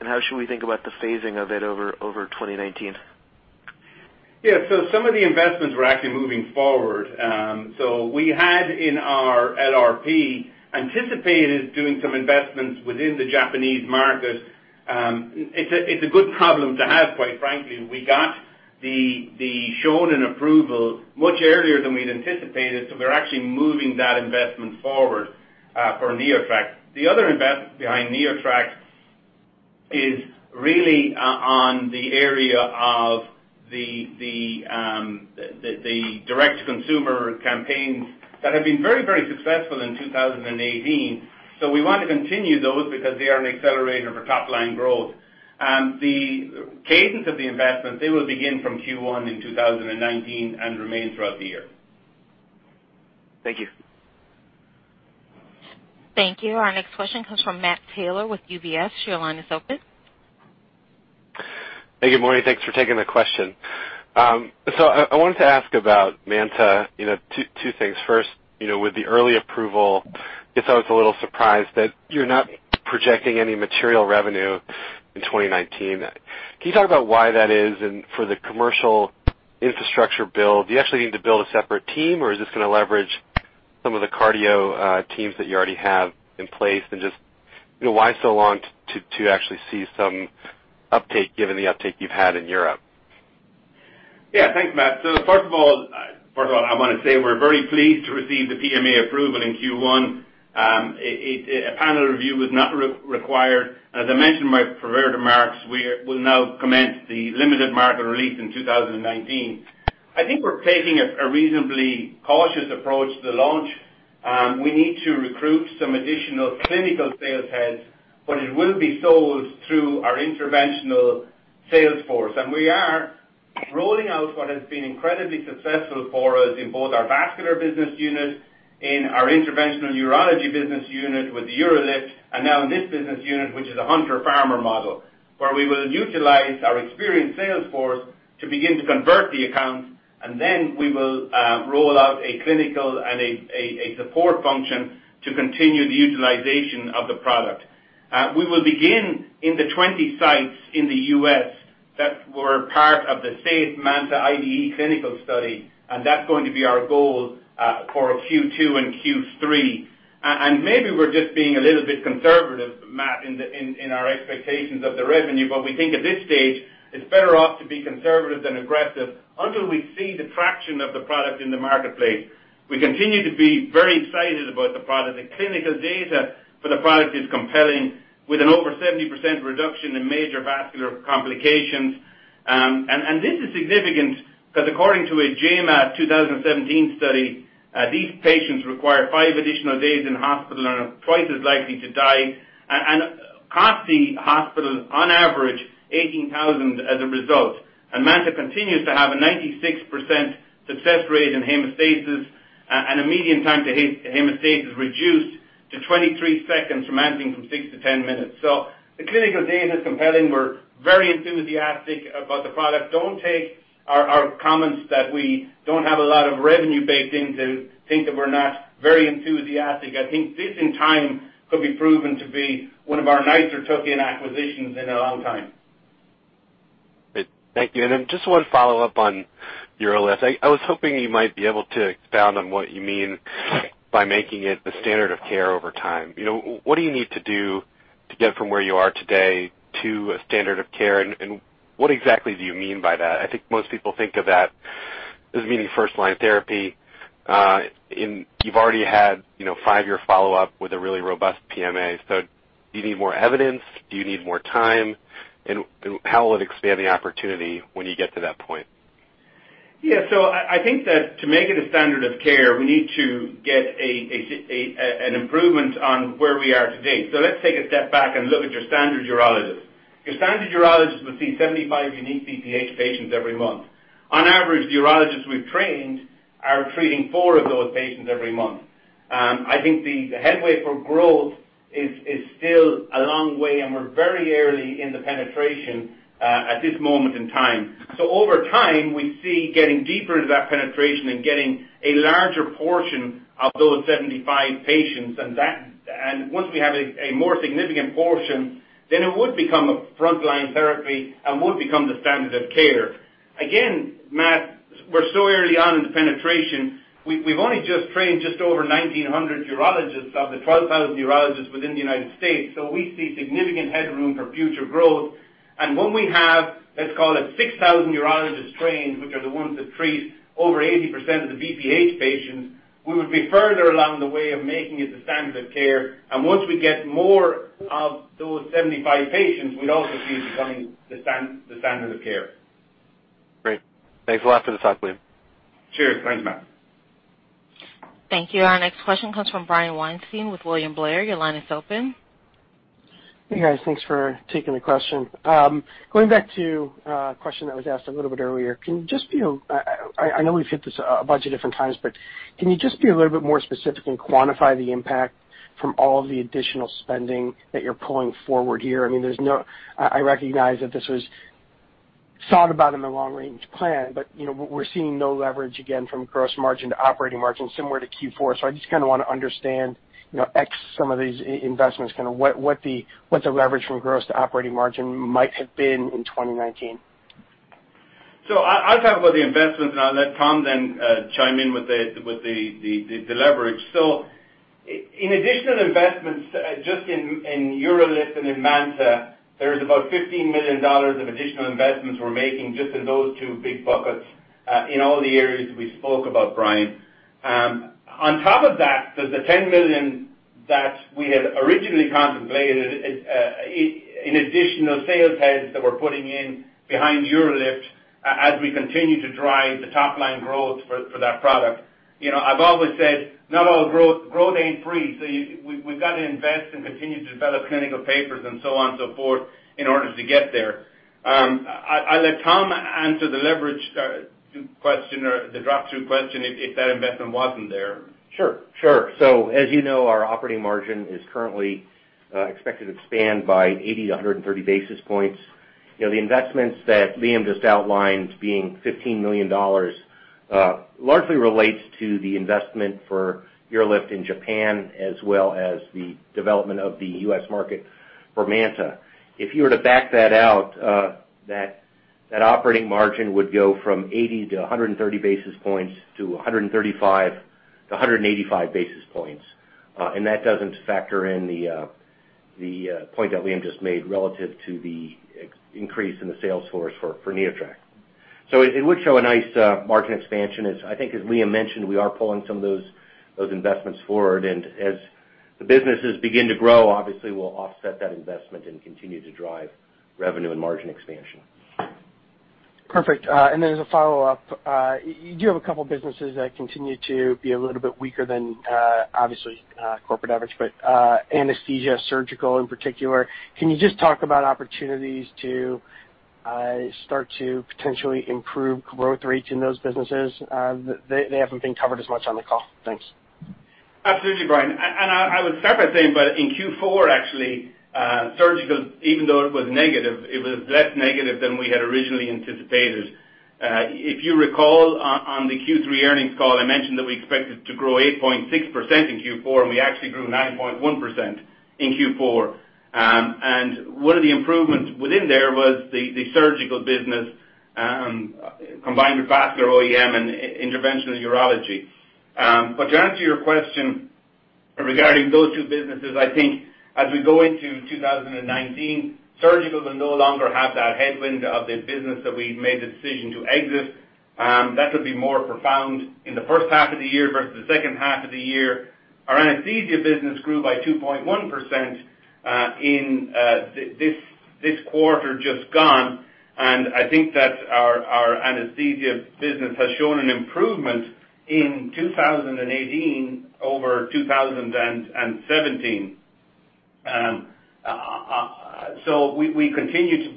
and how should we think about the phasing of it over 2019? Yeah. Some of the investments we're actually moving forward. We had in our LRP anticipated doing some investments within the Japanese market. It's a good problem to have, quite frankly. We got the Shonin approval much earlier than we'd anticipated, so we're actually moving that investment forward for NeoTract. The other investment behind NeoTract is really on the area of the direct-to-consumer campaigns that have been very, very successful in 2018. We want to continue those because they are an accelerator for top-line growth. The cadence of the investments, they will begin from Q1 in 2019 and remain throughout the year. Thank you. Thank you. Our next question comes from Matt Taylor with UBS. Your line is open. Hey, good morning. Thanks for taking the question. I wanted to ask about MANTA, two things. First, with the early approval, guess I was a little surprised that you're not projecting any material revenue in 2019. Can you talk about why that is? For the commercial infrastructure build, do you actually need to build a separate team, or is this going to leverage some of the cardio teams that you already have in place? Just why so long to actually see some uptake given the uptake you've had in Europe? Thanks, Matt. First of all, I want to say we're very pleased to receive the PMA approval in Q1. A panel review was not required. As I mentioned in my prepared remarks, we will now commence the limited market release in 2019. I think we're taking a reasonably cautious approach to the launch. We need to recruit some additional clinical sales heads, but it will be sold through our interventional sales force. We are rolling out what has been incredibly successful for us in both our vascular business unit, in our interventional neurology business unit with UroLift, and now in this business unit, which is a hunter-farmer model, where we will utilize our experienced sales force to begin to convert the accounts, and then we will roll out a clinical and a support function to continue the utilization of the product. We will begin in the 20 sites in the U.S. that were part of the SAFE MANTA IDE clinical study, that's going to be our goal for Q2 and Q3. Maybe we're just being a little bit conservative, Matt, in our expectations of the revenue. We think at this stage, it's better off to be conservative than aggressive until we see the traction of the product in the marketplace. We continue to be very excited about the product. The clinical data for the product is compelling, with an over 70% reduction in major vascular complications. This is significant because according to a JAMA 2017 study, these patients require five additional days in hospital and are twice as likely to die. See hospitals on average $18,000 as a result. MANTA continues to have a 96% success rate in hemostasis, and a median time to hemostasis reduced to 23 seconds from ranging from 6-10 minutes. The clinical data is compelling. We're very enthusiastic about the product. Don't take our comments that we don't have a lot of revenue baked in to think that we're not very enthusiastic. I think this, in time, could be proven to be one of our nicer token acquisitions in a long time. Good. Thank you. Then just one follow-up on UroLift. I was hoping you might be able to expound on what you mean by making it the standard of care over time. What do you need to do to get from where you are today to a standard of care, and what exactly do you mean by that? I think most people think of that as meaning first-line therapy. You've already had five-year follow-up with a really robust PMA. Do you need more evidence? Do you need more time? How will it expand the opportunity when you get to that point? I think that to make it a standard of care, we need to get an improvement on where we are today. Let's take a step back and look at your standard urologist. Your standard urologist would see 75 unique BPH patients every month. On average, urologists we've trained are treating four of those patients every month. I think the headway for growth is still a long way, we're very early in the penetration at this moment in time. Over time, we see getting deeper into that penetration and getting a larger portion of those 75 patients, once we have a more significant portion, then it would become a frontline therapy and would become the standard of care. Again, Matt, we're so early on in the penetration. We've only just trained just over 1,900 urologists of the 12,000 urologists within the United States. We see significant headroom for future growth. When we have, let's call it 6,000 urologists trained, which are the ones that treat over 80% of the BPH patients, we would be further along the way of making it the standard of care. Once we get more of those 75 patients, we'd also see it becoming the standard of care. Great. Thanks a lot for the time, Liam. Cheers. Thanks, Matt. Thank you. Our next question comes from Brian Weinstein with William Blair. Your line is open. Hey, guys. Thanks for taking the question. Going back to a question that was asked a little bit earlier, I know we've hit this a bunch of different times, can you just be a little bit more specific and quantify the impact from all the additional spending that you're pulling forward here? I recognize that this was thought about in the long-range plan, we're seeing no leverage again from gross margin to operating margin, similar to Q4. I just kind of want to understand, ex some of these investments, what the leverage from gross to operating margin might have been in 2019. I'll talk about the investments, and I'll let Tom then chime in with the leverage. In additional investments, just in UroLift and in MANTA, there is about $15 million of additional investments we're making just in those two big buckets in all the areas we spoke about, Brian. On top of that, there's the $10 million that we had originally contemplated in additional sales heads that we're putting in behind UroLift as we continue to drive the top-line growth for that product. I've always said, growth ain't free, so we've got to invest and continue to develop clinical papers and so on and so forth in order to get there. I'll let Tom answer the leverage question or the drop-through question if that investment wasn't there. Sure. As you know, our operating margin is currently expected to expand by 80 to 130 basis points. The investments that Liam just outlined being $15 million, largely relates to the investment for UroLift in Japan as well as the development of the U.S. market for MANTA. If you were to back that out, that operating margin would go from 80 to 130 basis points to 135 to 185 basis points. That doesn't factor in the point that Liam just made relative to the increase in the sales force for NeoTract. It would show a nice margin expansion. I think, as Liam mentioned, we are pulling some of those investments forward, and as the businesses begin to grow, obviously we'll offset that investment and continue to drive revenue and margin expansion. Perfect. Then as a follow-up, you do have a couple of businesses that continue to be a little bit weaker than, obviously, corporate average, but Anesthesia, Surgical in particular. Can you just talk about opportunities to start to potentially improve growth rates in those businesses? They haven't been covered as much on the call. Thanks. Absolutely, Brian. I would start by saying that in Q4, actually, Surgical, even though it was negative, it was less negative than we had originally anticipated. If you recall on the Q3 earnings call, I mentioned that we expected to grow 8.6% in Q4, and we actually grew 9.1% in Q4. One of the improvements within there was the Surgical business combined with Vascular OEM and Interventional Urology. To answer your question regarding those two businesses, I think as we go into 2019, Surgical will no longer have that headwind of the business that we made the decision to exit. That will be more profound in the first half of the year versus the second half of the year. Our Anesthesia business grew by 2.1% in this quarter just gone. I think that our Anesthesia business has shown an improvement in 2018 over 2017. We continue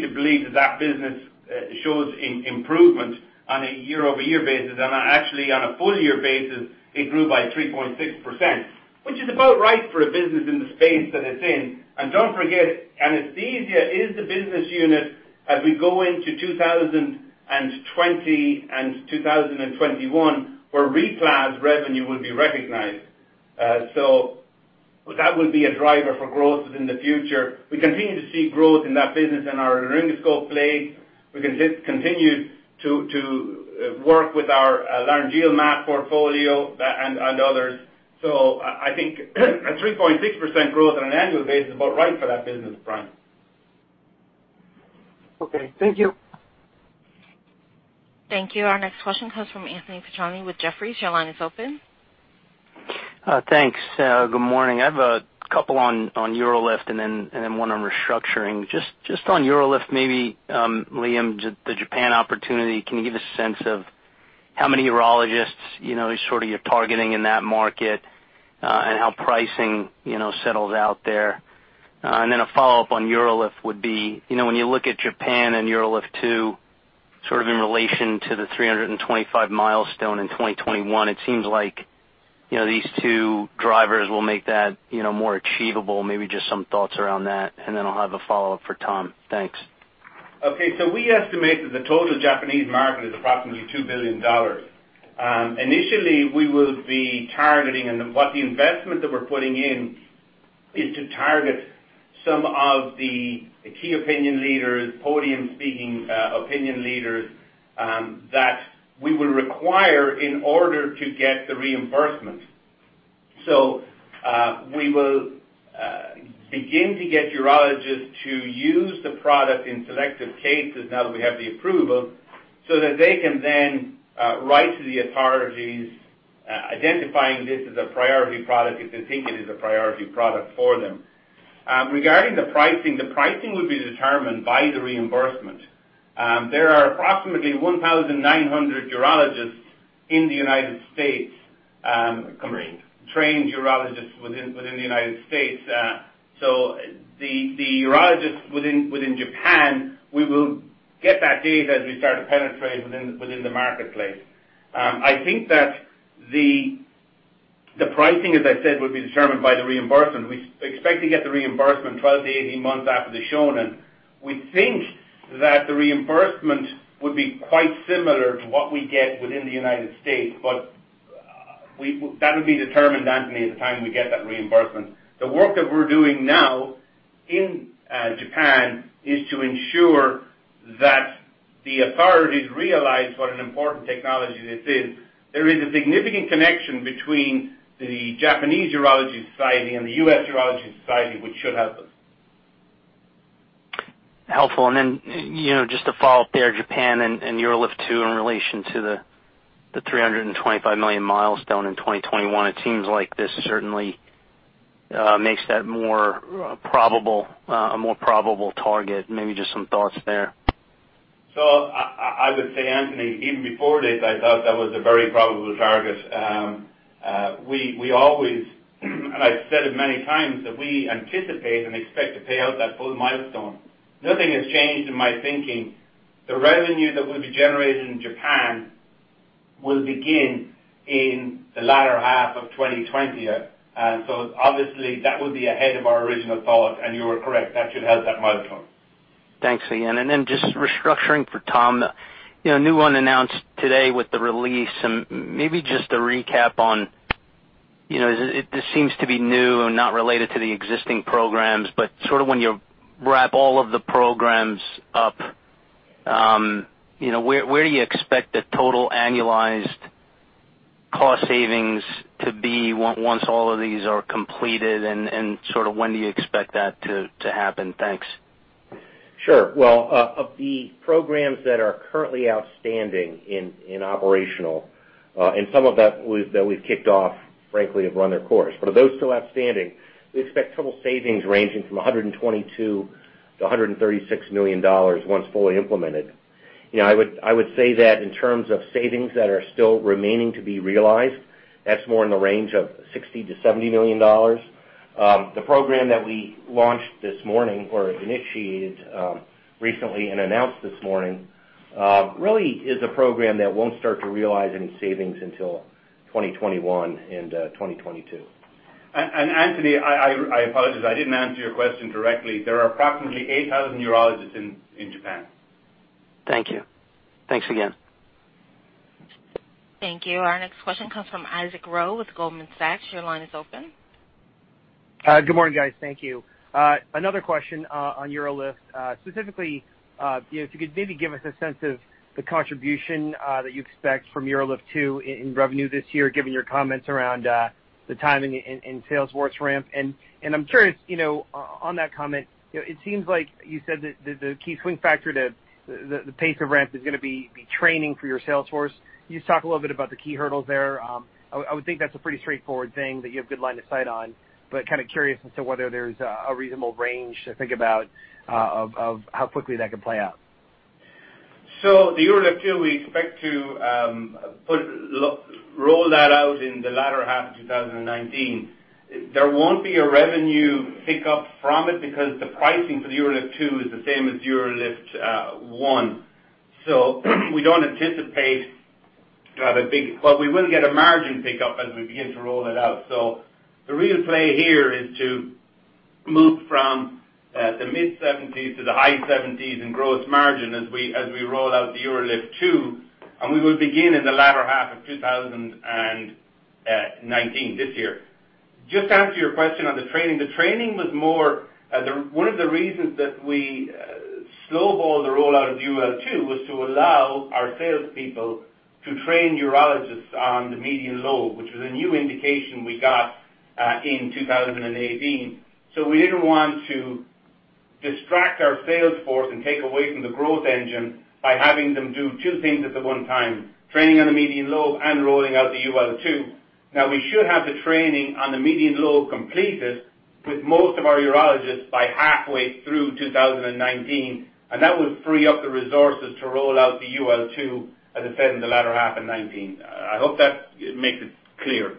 to believe that business shows improvement on a year-over-year basis. Actually on a full-year basis, it grew by 3.6%, which is about right for a business in the space that it's in. Don't forget, anesthesia is the business unit as we go into 2020 and 2021, where RePlas revenue will be recognized. That will be a driver for growth in the future. We continue to see growth in that business and our laryngoscope play. We continue to work with our laryngeal mask portfolio and others. I think a 3.6% growth on an annual basis is about right for that business, Brian. Okay. Thank you. Thank you. Our next question comes from Anthony Petrone with Jefferies. Your line is open. Thanks. Good morning. I have a couple on UroLift and then one on restructuring. Just on UroLift maybe, Liam, the Japan opportunity. Can you give a sense of how many urologists you're targeting in that market, and how pricing settles out there? Then a follow-up on UroLift would be, when you look at Japan and UroLift 2 sort of in relation to the 325 milestone in 2021, it seems like these two drivers will make that more achievable. Maybe just some thoughts around that, and then I'll have a follow-up for Tom. Thanks. We estimate that the total Japanese market is approximately $2 billion. Initially, we will be targeting, and what the investment that we're putting in is to target some of the key opinion leaders, podium-speaking opinion leaders, that we will require in order to get the reimbursement. We will begin to get urologists to use the product in selective cases now that we have the approval, so that they can then write to the authorities, identifying this as a priority product if they think it is a priority product for them. Regarding the pricing, the pricing will be determined by the reimbursement. There are approximately 1,900 urologists in the United States. Trained trained urologists within the United States. The urologists within Japan, we will get that data as we start to penetrate within the marketplace. I think that the pricing, as I said, will be determined by the reimbursement. We expect to get the reimbursement 12 to 18 months after the Shonin. We think that the reimbursement would be quite similar to what we get within the United States. That would be determined, Anthony, at the time we get that reimbursement. The work that we're doing now in Japan is to ensure that the authorities realize what an important technology this is. There is a significant connection between the Japanese Urological Association and the American Urological Association, which should help us. Helpful. Just to follow up there, Japan and UroLift 2 in relation to the $325 million milestone in 2021. It seems like this certainly makes that a more probable target. Maybe just some thoughts there. I would say, Anthony, even before this, I thought that was a very probable target. We always, and I've said it many times, that we anticipate and expect to pay out that full milestone. Nothing has changed in my thinking. The revenue that we'll be generating in Japan will begin in the latter half of 2020. Obviously that will be ahead of our original thought, and you are correct, that should help that milestone. Thanks again. Just restructuring for Tom. A new one announced today with the release. Maybe just a recap on, this seems to be new and not related to the existing programs. Sort of when you wrap all of the programs up, where do you expect the total annualized cost savings to be once all of these are completed, and sort of when do you expect that to happen? Thanks. Sure. Well, of the programs that are currently outstanding in operational. Some of that that we've kicked off, frankly, have run their course. Of those still outstanding, we expect total savings ranging from $122 million to $136 million once fully implemented. I would say that in terms of savings that are still remaining to be realized, that's more in the range of $60 million to $70 million. The program that we launched this morning, or initiated recently and announced this morning, really is a program that won't start to realize any savings until 2021 and 2022. Anthony, I apologize, I didn't answer your question directly. There are approximately 8,000 urologists in Japan. Thank you. Thanks again. Thank you. Our next question comes from Isaac Ro with Goldman Sachs. Your line is open. Good morning, guys. Thank you. Another question on UroLift. Specifically, if you could maybe give us a sense of the contribution that you expect from UroLift II in revenue this year, given your comments around the timing and sales force ramp. I'm curious, on that comment, it seems like you said that the key swing factor to the pace of ramp is going to be training for your sales force. Can you just talk a little bit about the key hurdles there? I would think that's a pretty straightforward thing that you have good line of sight on, but kind of curious as to whether there's a reasonable range to think about of how quickly that could play out. The UroLift II, we expect to roll that out in the latter half of 2019. There won't be a revenue pickup from it because the pricing for the UroLift II is the same as UroLift I. We don't anticipate to have a big but we will get a margin pickup as we begin to roll it out. The real play here is to move from the mid-70s to the high 70s in gross margin as we roll out the UroLift II, and we will begin in the latter half of 2019, this year. Just to answer your question on the training, one of the reasons that we snowballed the rollout of UL II was to allow our salespeople to train urologists on the median lobe, which was a new indication we got in 2018. We didn't want to distract our sales force and take away from the growth engine by having them do two things at the one time, training on the median lobe and rolling out the UL II. Now, we should have the training on the median lobe completed with most of our urologists by halfway through 2019, and that would free up the resources to roll out the UL II, as I said, in the latter half of 2019. I hope that makes it clear.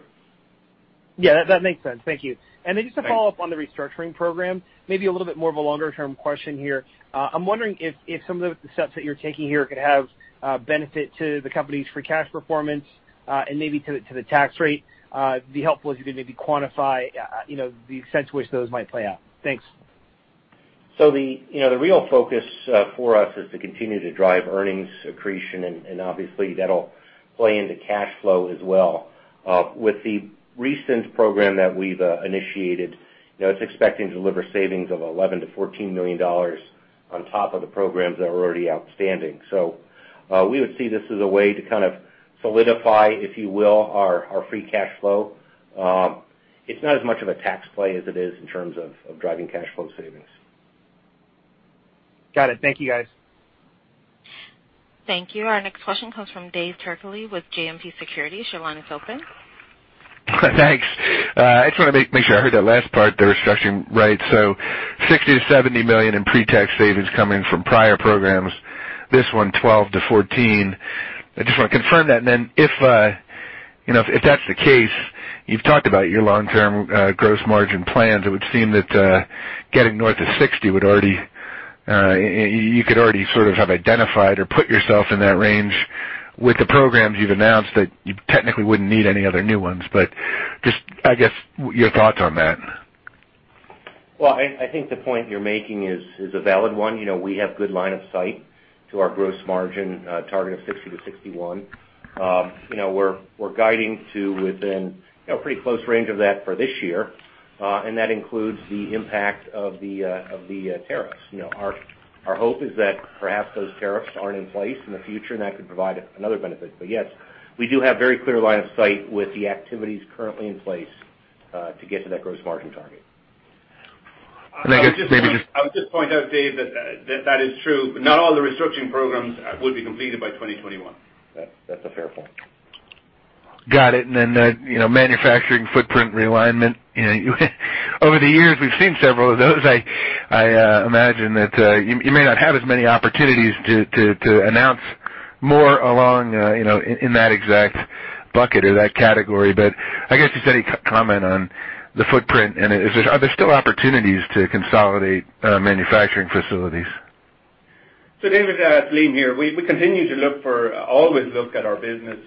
Yeah, that makes sense. Thank you. Thanks. Then just to follow up on the restructuring program, maybe a little bit more of a longer-term question here. I'm wondering if some of the steps that you're taking here could have benefit to the company's free cash performance, and maybe to the tax rate. It'd be helpful if you could maybe quantify the extent to which those might play out. Thanks. The real focus for us is to continue to drive earnings accretion, and obviously, that'll play into cash flow as well. With the recent program that we've initiated, it's expecting to deliver savings of $11 million-$14 million on top of the programs that are already outstanding. We would see this as a way to kind of solidify, if you will, our free cash flow. It's not as much of a tax play as it is in terms of driving cash flow savings. Got it. Thank you, guys. Thank you. Our next question comes from David Turkaly with JMP Securities. Your line is open. Thanks. I just want to make sure I heard that last part, the restructuring right. $60 million-$70 million in pre-tax savings coming from prior programs. This one, $12 million-$14 million. I just want to confirm that, and then if that's the case, you've talked about your long-term gross margin plans. It would seem that getting north of 60%, you could already sort of have identified or put yourself in that range with the programs you've announced that you technically wouldn't need any other new ones. Just, I guess, your thoughts on that. I think the point you're making is a valid one. We have good line of sight to our gross margin target of 60%-61%. We're guiding to within pretty close range of that for this year. That includes the impact of the tariffs. Our hope is that perhaps those tariffs aren't in place in the future, and that could provide another benefit. Yes, we do have very clear line of sight with the activities currently in place, to get to that gross margin target. I guess maybe just. I would just point out, David, that that is true, but not all the restructuring programs would be completed by 2021. That's a fair point. Got it, then the manufacturing footprint realignment. Over the years, we've seen several of those. I imagine that you may not have as many opportunities to announce more along in that exact bucket or that category. I guess just any comment on the footprint, and are there still opportunities to consolidate manufacturing facilities? David, it's Liam here. We continue to always look at our business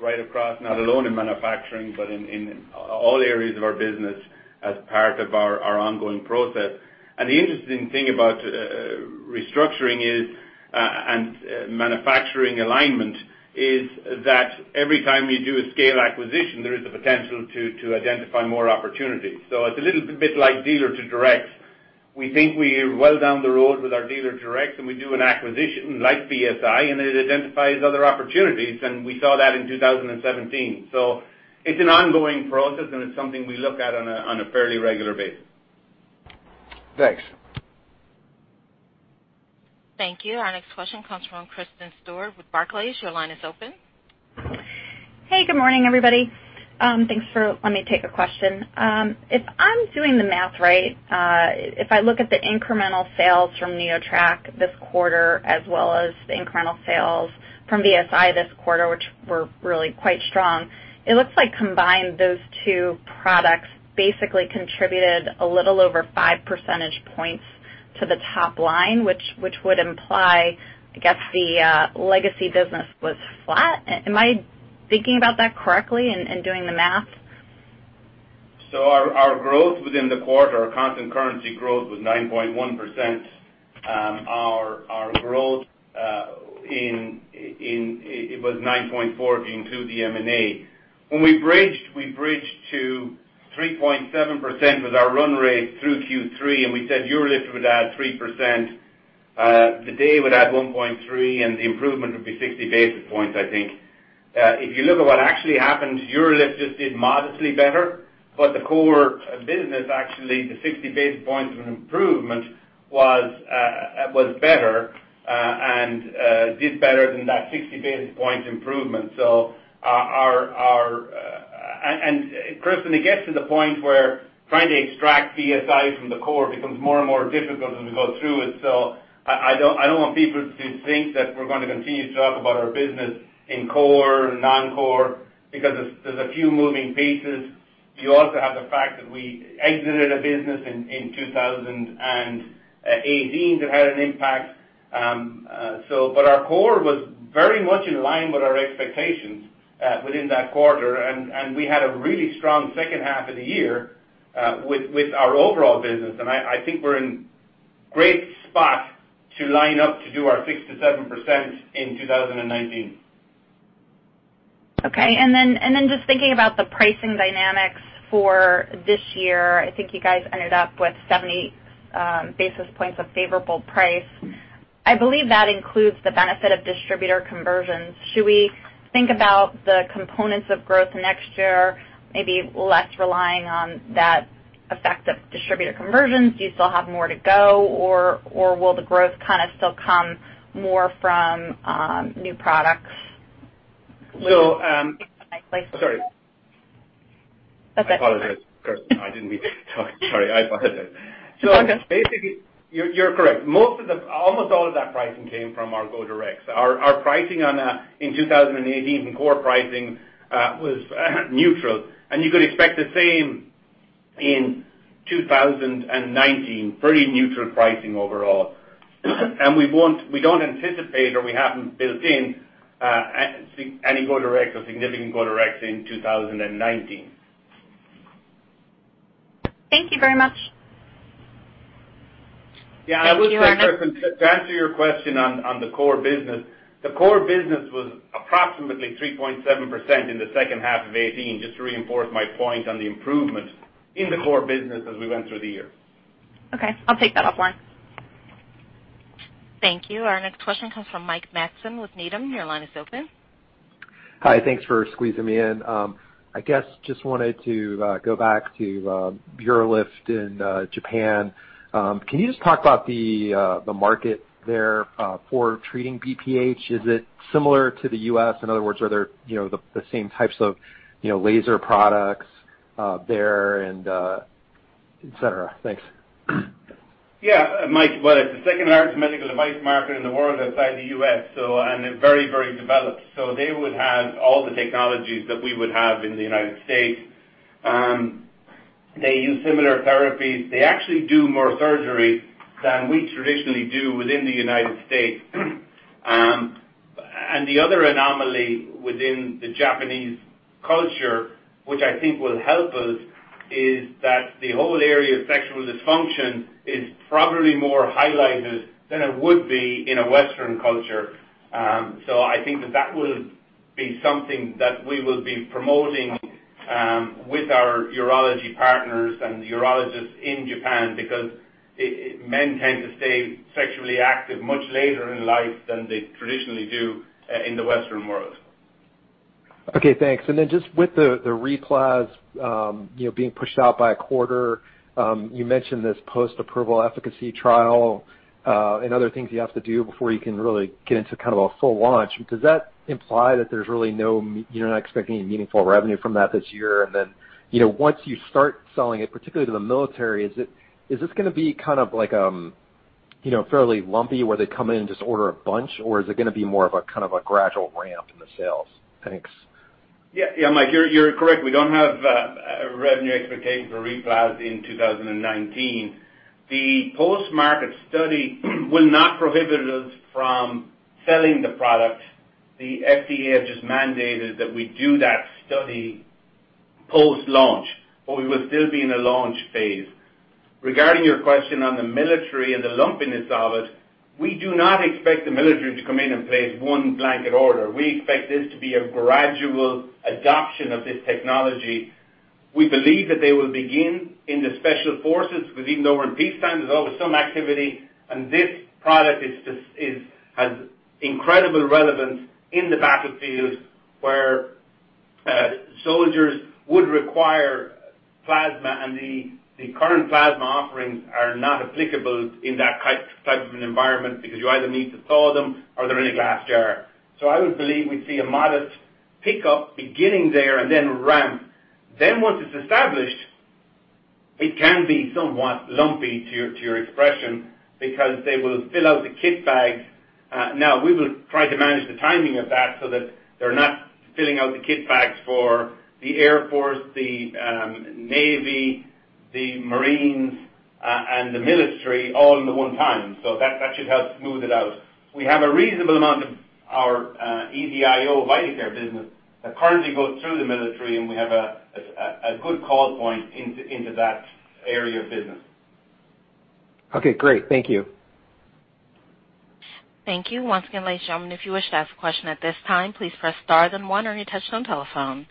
right across, not alone in manufacturing, but in all areas of our business as part of our ongoing process. The interesting thing about restructuring and manufacturing alignment is that every time you do a scale acquisition, there is the potential to identify more opportunities. It's a little bit like dealer to direct. We think we are well down the road with our dealer direct, and we do an acquisition like VSI, and it identifies other opportunities, and we saw that in 2017. It's an ongoing process, and it's something we look at on a fairly regular basis. Thanks. Thank you. Our next question comes from Kristen Stewart with Barclays. Your line is open. Hey, good morning, everybody. Thanks for letting me take a question. If I'm doing the math right, if I look at the incremental sales from NeoTract this quarter as well as the incremental sales from VSI this quarter, which were really quite strong, it looks like combined, those two products basically contributed a little over five percentage points to the top line, which would imply, I guess the legacy business was flat. Am I thinking about that correctly in doing the math? Our growth within the quarter, our constant currency growth was 9.1%. Our growth, it was 9.4% into the M&A. When we bridged, we bridged to 3.7% with our run rate through Q3, and we said UroLift would add 3%. The IDE would add 1.3%, and the improvement would be 60 basis points, I think. If you look at what actually happened, UroLift just did modestly better, but the core business, actually, the 60 basis points of improvement was better, and did better than that 60 basis point improvement. Kristen, it gets to the point where trying to extract VSI from the core becomes more and more difficult as we go through it. I don't want people to think that we're going to continue to talk about our business in core, non-core, because there's a few moving pieces. You also have the fact that we exited a business in 2018 that had an impact. Our core was very much in line with our expectations within that quarter, and we had a really strong second half of the year with our overall business, and I think we're in great spot to line up to do our 6%-7% in 2019. Okay. Just thinking about the pricing dynamics for this year. I think you guys ended up with 70 basis points of favorable price. I believe that includes the benefit of distributor conversions. Should we think about the components of growth next year, maybe less relying on that effect of distributor conversions? Do you still have more to go, or will the growth kind of still come more from new products? Sorry. Okay. I apologize, Kristen. I didn't mean to talk. Sorry, I apologize. It's all good. Basically, you're correct. Almost all of that pricing came from our go-directs. Our pricing in 2018 from core pricing was neutral, and you could expect the same in 2019. Pretty neutral pricing overall. We don't anticipate, or we haven't built in, any go-directs or significant go-directs in 2019. Thank you very much. Yeah. I would say, Kristen, to answer your question on the core business, the core business was approximately 3.7% in the second half of 2018, just to reinforce my point on the improvement in the core business as we went through the year. Okay. I'll take that offline. Thank you. Our next question comes from Mike Matson with Needham. Your line is open. Hi. Thanks for squeezing me in. I guess just wanted to go back to UroLift in Japan. Can you just talk about the market there for treating BPH? Is it similar to the U.S.? In other words, are there the same types of laser products there and et cetera? Thanks. Yeah. Mike, well, it's the second largest medical device market in the world outside the U.S., and they're very developed. They would have all the technologies that we would have in the United States. They use similar therapies. They actually do more surgery than we traditionally do within the United States. The other anomaly within the Japanese culture, which I think will help us, is that the whole area of sexual dysfunction is probably more highlighted than it would be in a Western culture. I think that that will be something that we will be promoting with our urology partners and the urologists in Japan, because men tend to stay sexually active much later in life than they traditionally do in the Western world. Okay, thanks. Just with the RePlas being pushed out by a quarter, you mentioned this post-approval efficacy trial, and other things you have to do before you can really get into kind of a full launch. Does that imply that you're not expecting any meaningful revenue from that this year? Once you start selling it, particularly to the military, is this going to be kind of fairly lumpy where they come in and just order a bunch, or is it going to be more of a kind of a gradual ramp in the sales? Thanks. Yeah, Mike, you're correct. We don't have a revenue expectation for RePlas in 2019. The post-market study will not prohibit us from selling the product. The FDA have just mandated that we do that study post-launch, but we will still be in a launch phase. Regarding your question on the military and the lumpiness of it, we do not expect the military to come in and place one blanket order. We expect this to be a gradual adoption of this technology. We believe that they will begin in the Special Forces because even though we're in peacetime, there's always some activity, and this product has incredible relevance in the battlefield where soldiers would require plasma, and the current plasma offerings are not applicable in that type of an environment because you either need to thaw them or they're in a glass jar. I would believe we'd see a modest pickup beginning there and then ramp. Once it's established, it can be somewhat lumpy to your expression, because they will fill out the kit bags. Now, we will try to manage the timing of that so that they're not filling out the kit bags for the Air Force, the Navy, the Marines, and the military all in the one time. That should help smooth it out. We have a reasonable amount of our EZ-IO Vidacare business that currently goes through the military, and we have a good call point into that area of business. Okay, great. Thank you. Thank you. Once again, ladies and gentlemen, if you wish to ask a question at this time, please press star then one on your touch-tone telephone.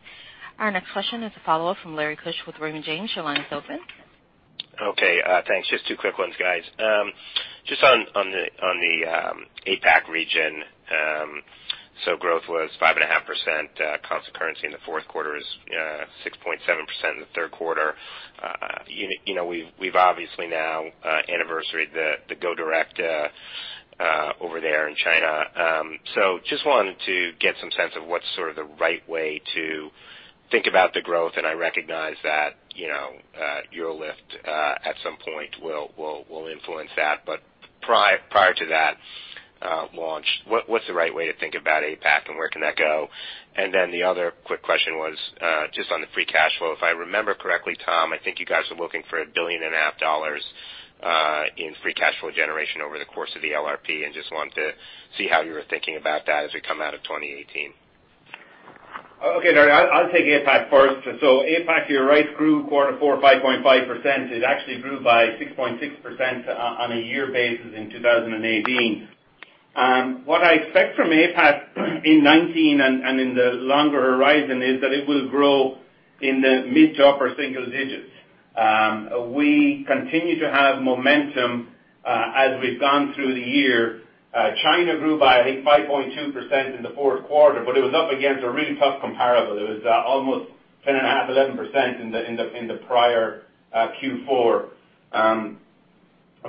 Our next question is a follow-up from Lawrence Keusch with Raymond James. Your line is open. Okay, thanks. Just two quick ones, guys. Just on the APAC region. Growth was 5.5%. Constant currency in the fourth quarter is 6.7% in the third quarter. We've obviously now anniversaried the go direct over there in China. Just wanted to get some sense of what's sort of the right way to think about the growth, and I recognize that, UroLift, at some point will influence that. Prior to that launch, what's the right way to think about APAC and where can that go? The other quick question was just on the free cash flow. If I remember correctly, Tom, I think you guys are looking for a billion and a half dollars in free cash flow generation over the course of the LRP, and just wanted to see how you were thinking about that as we come out of 2018. Okay, Larry. I'll take APAC first. APAC, you're right, grew quarter four, 5.5%. It actually grew by 6.6% on a year basis in 2018. What I expect from APAC in 2019 and in the longer horizon is that it will grow in the mid to upper single-digits. We continue to have momentum as we've gone through the year. China grew by, I think, 5.2% in the fourth quarter. It was up against a really tough comparable. It was almost 10.5%-11% in the prior Q4.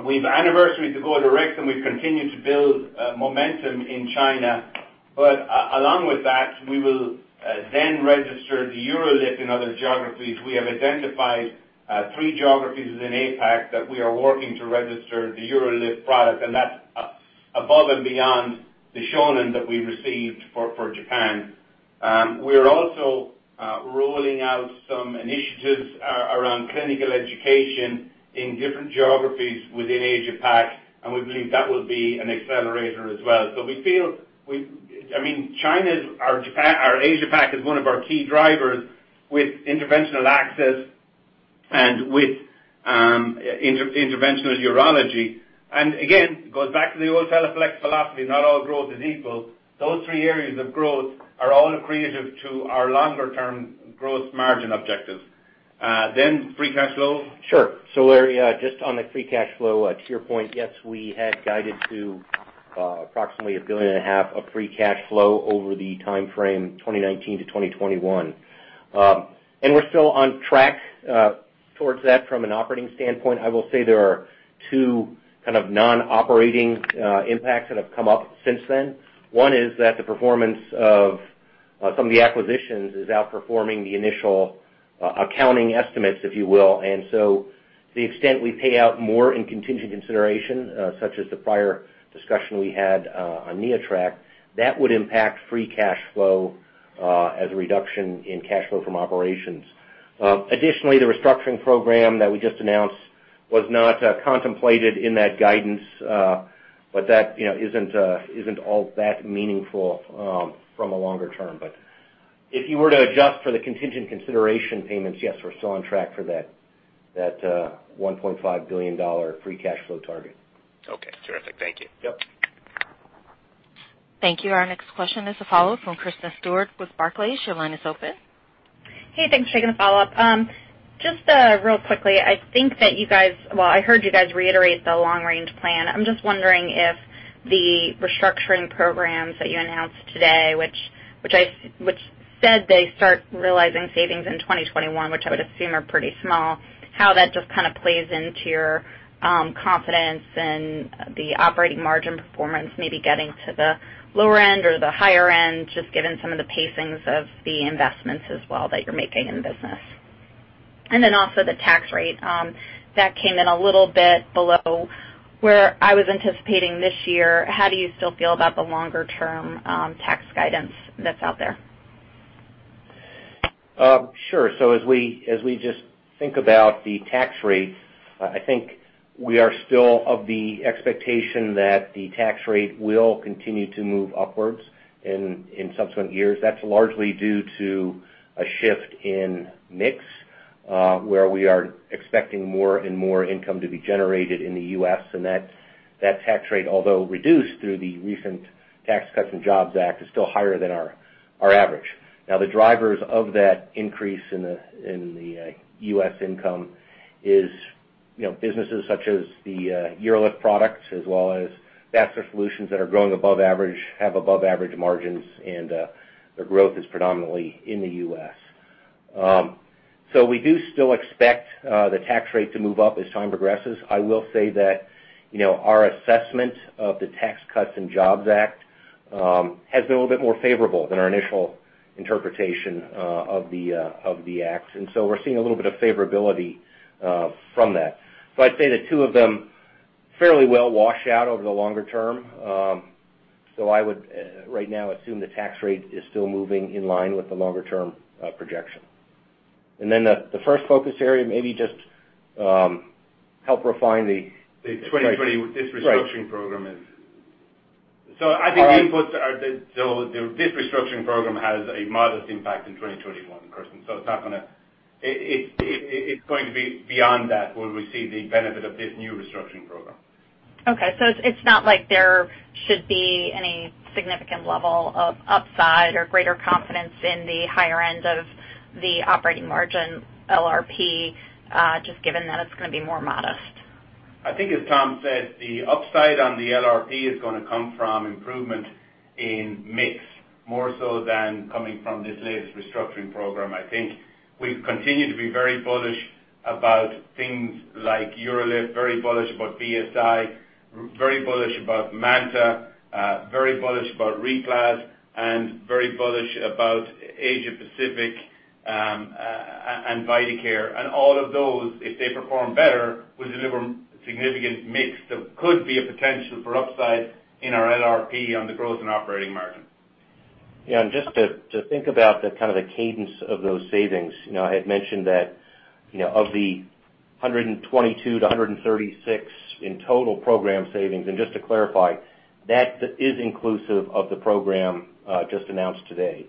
We've anniversaried the go-to direct. We've continued to build momentum in China. Along with that, we will then register the UroLift in other geographies. We have identified three geographies within APAC that we are working to register the UroLift product, and that's above and beyond the Shonin that we received for Japan. We are also rolling out some initiatives around clinical education in different geographies within APAC. We believe that will be an accelerator as well. We feel China or APAC is one of our key drivers with interventional access and with Interventional Urology. Again, it goes back to the old Teleflex philosophy, not all growth is equal. Those three areas of growth are all accretive to our longer-term growth margin objectives. Free cash flow? Sure. Larry, just on the free cash flow, to your point, yes, we had guided to approximately a billion and a half of free cash flow over the timeframe 2019 to 2021. We're still on track towards that from an operating standpoint. I will say there are two kind of non-operating impacts that have come up since then. One is that the performance of some of the acquisitions is outperforming the initial accounting estimates, if you will. To the extent we pay out more in contingent consideration, such as the prior discussion we had on NeoTract, that would impact free cash flow as a reduction in cash flow from operations. Additionally, the restructuring program that we just announced was not contemplated in that guidance. That isn't all that meaningful from a longer term. But if you were to adjust for the contingent consideration payments, yes, we're still on track for that $1.5 billion free cash flow target. Okay, terrific. Thank you. Yep. Thank you. Our next question is a follow from Kristen Stewart with Barclays. Your line is open. Hey, thanks for taking the follow-up. Just real quickly, I think that you guys Well, I heard you guys reiterate the long-range plan. I'm just wondering if the restructuring programs that you announced today, which said they start realizing savings in 2021, which I would assume are pretty small, how that just kind of plays into your confidence in the operating margin performance, maybe getting to the lower end or the higher end, just given some of the pacings of the investments as well that you're making in the business. Also the tax rate. That came in a little bit below where I was anticipating this year. How do you still feel about the longer-term tax guidance that's out there? Sure. As we just think about the tax rate, I think we are still of the expectation that the tax rate will continue to move upwards in subsequent years. That's largely due to a shift in mix, where we are expecting more and more income to be generated in the U.S., and that tax rate, although reduced through the recent Tax Cuts and Jobs Act, is still higher than our average. Now, the drivers of that increase in the U.S. income is businesses such as the UroLift products, as well as Vascular Solutions that are growing above average, have above average margins, and their growth is predominantly in the U.S. We do still expect the tax rate to move up as time progresses. I will say that our assessment of the Tax Cuts and Jobs Act has been a little bit more favorable than our initial interpretation of the acts. We're seeing a little bit of favorability from that. I'd say the two of them fairly well wash out over the longer term. I would, right now, assume the tax rate is still moving in line with the longer-term projection. The first focus area. The 2020- Right This restructuring program has a modest impact in 2021, Kristen. It's going to be beyond that, we'll receive the benefit of this new restructuring program. It's not like there should be any significant level of upside or greater confidence in the higher end of the operating margin LRP, just given that it's going to be more modest. As Tom said, the upside on the LRP is going to come from improvement in mix more so than coming from this latest restructuring program. We've continued to be very bullish about things like UroLift, very bullish about VSI, very bullish about MANTA, very bullish about RePlas, and very bullish about Asia Pacific and Vidacare. All of those, if they perform better, will deliver significant mix that could be a potential for upside in our LRP on the growth and operating margin. Just to think about the kind of the cadence of those savings. I had mentioned that of the 122-136 in total program savings, just to clarify, that is inclusive of the program just announced today.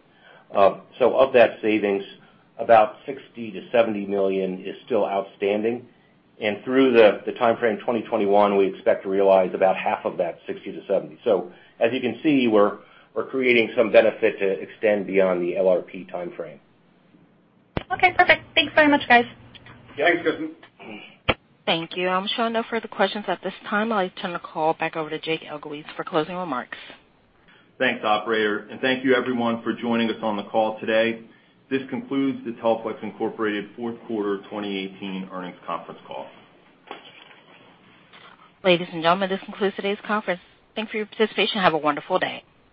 Of that savings, about $60 million-$70 million is still outstanding. Through the timeframe 2021, we expect to realize about half of that 60-70. As you can see, we're creating some benefit to extend beyond the LRP timeframe. Okay, perfect. Thanks very much, guys. Thanks, Kristen. Thank you. I'm showing no further questions at this time. I'll turn the call back over to Jake Elguicze for closing remarks. Thanks, operator. Thank you everyone for joining us on the call today. This concludes the Teleflex Incorporated fourth quarter 2018 earnings conference call. Ladies and gentlemen, this concludes today's conference. Thank you for your participation. Have a wonderful day.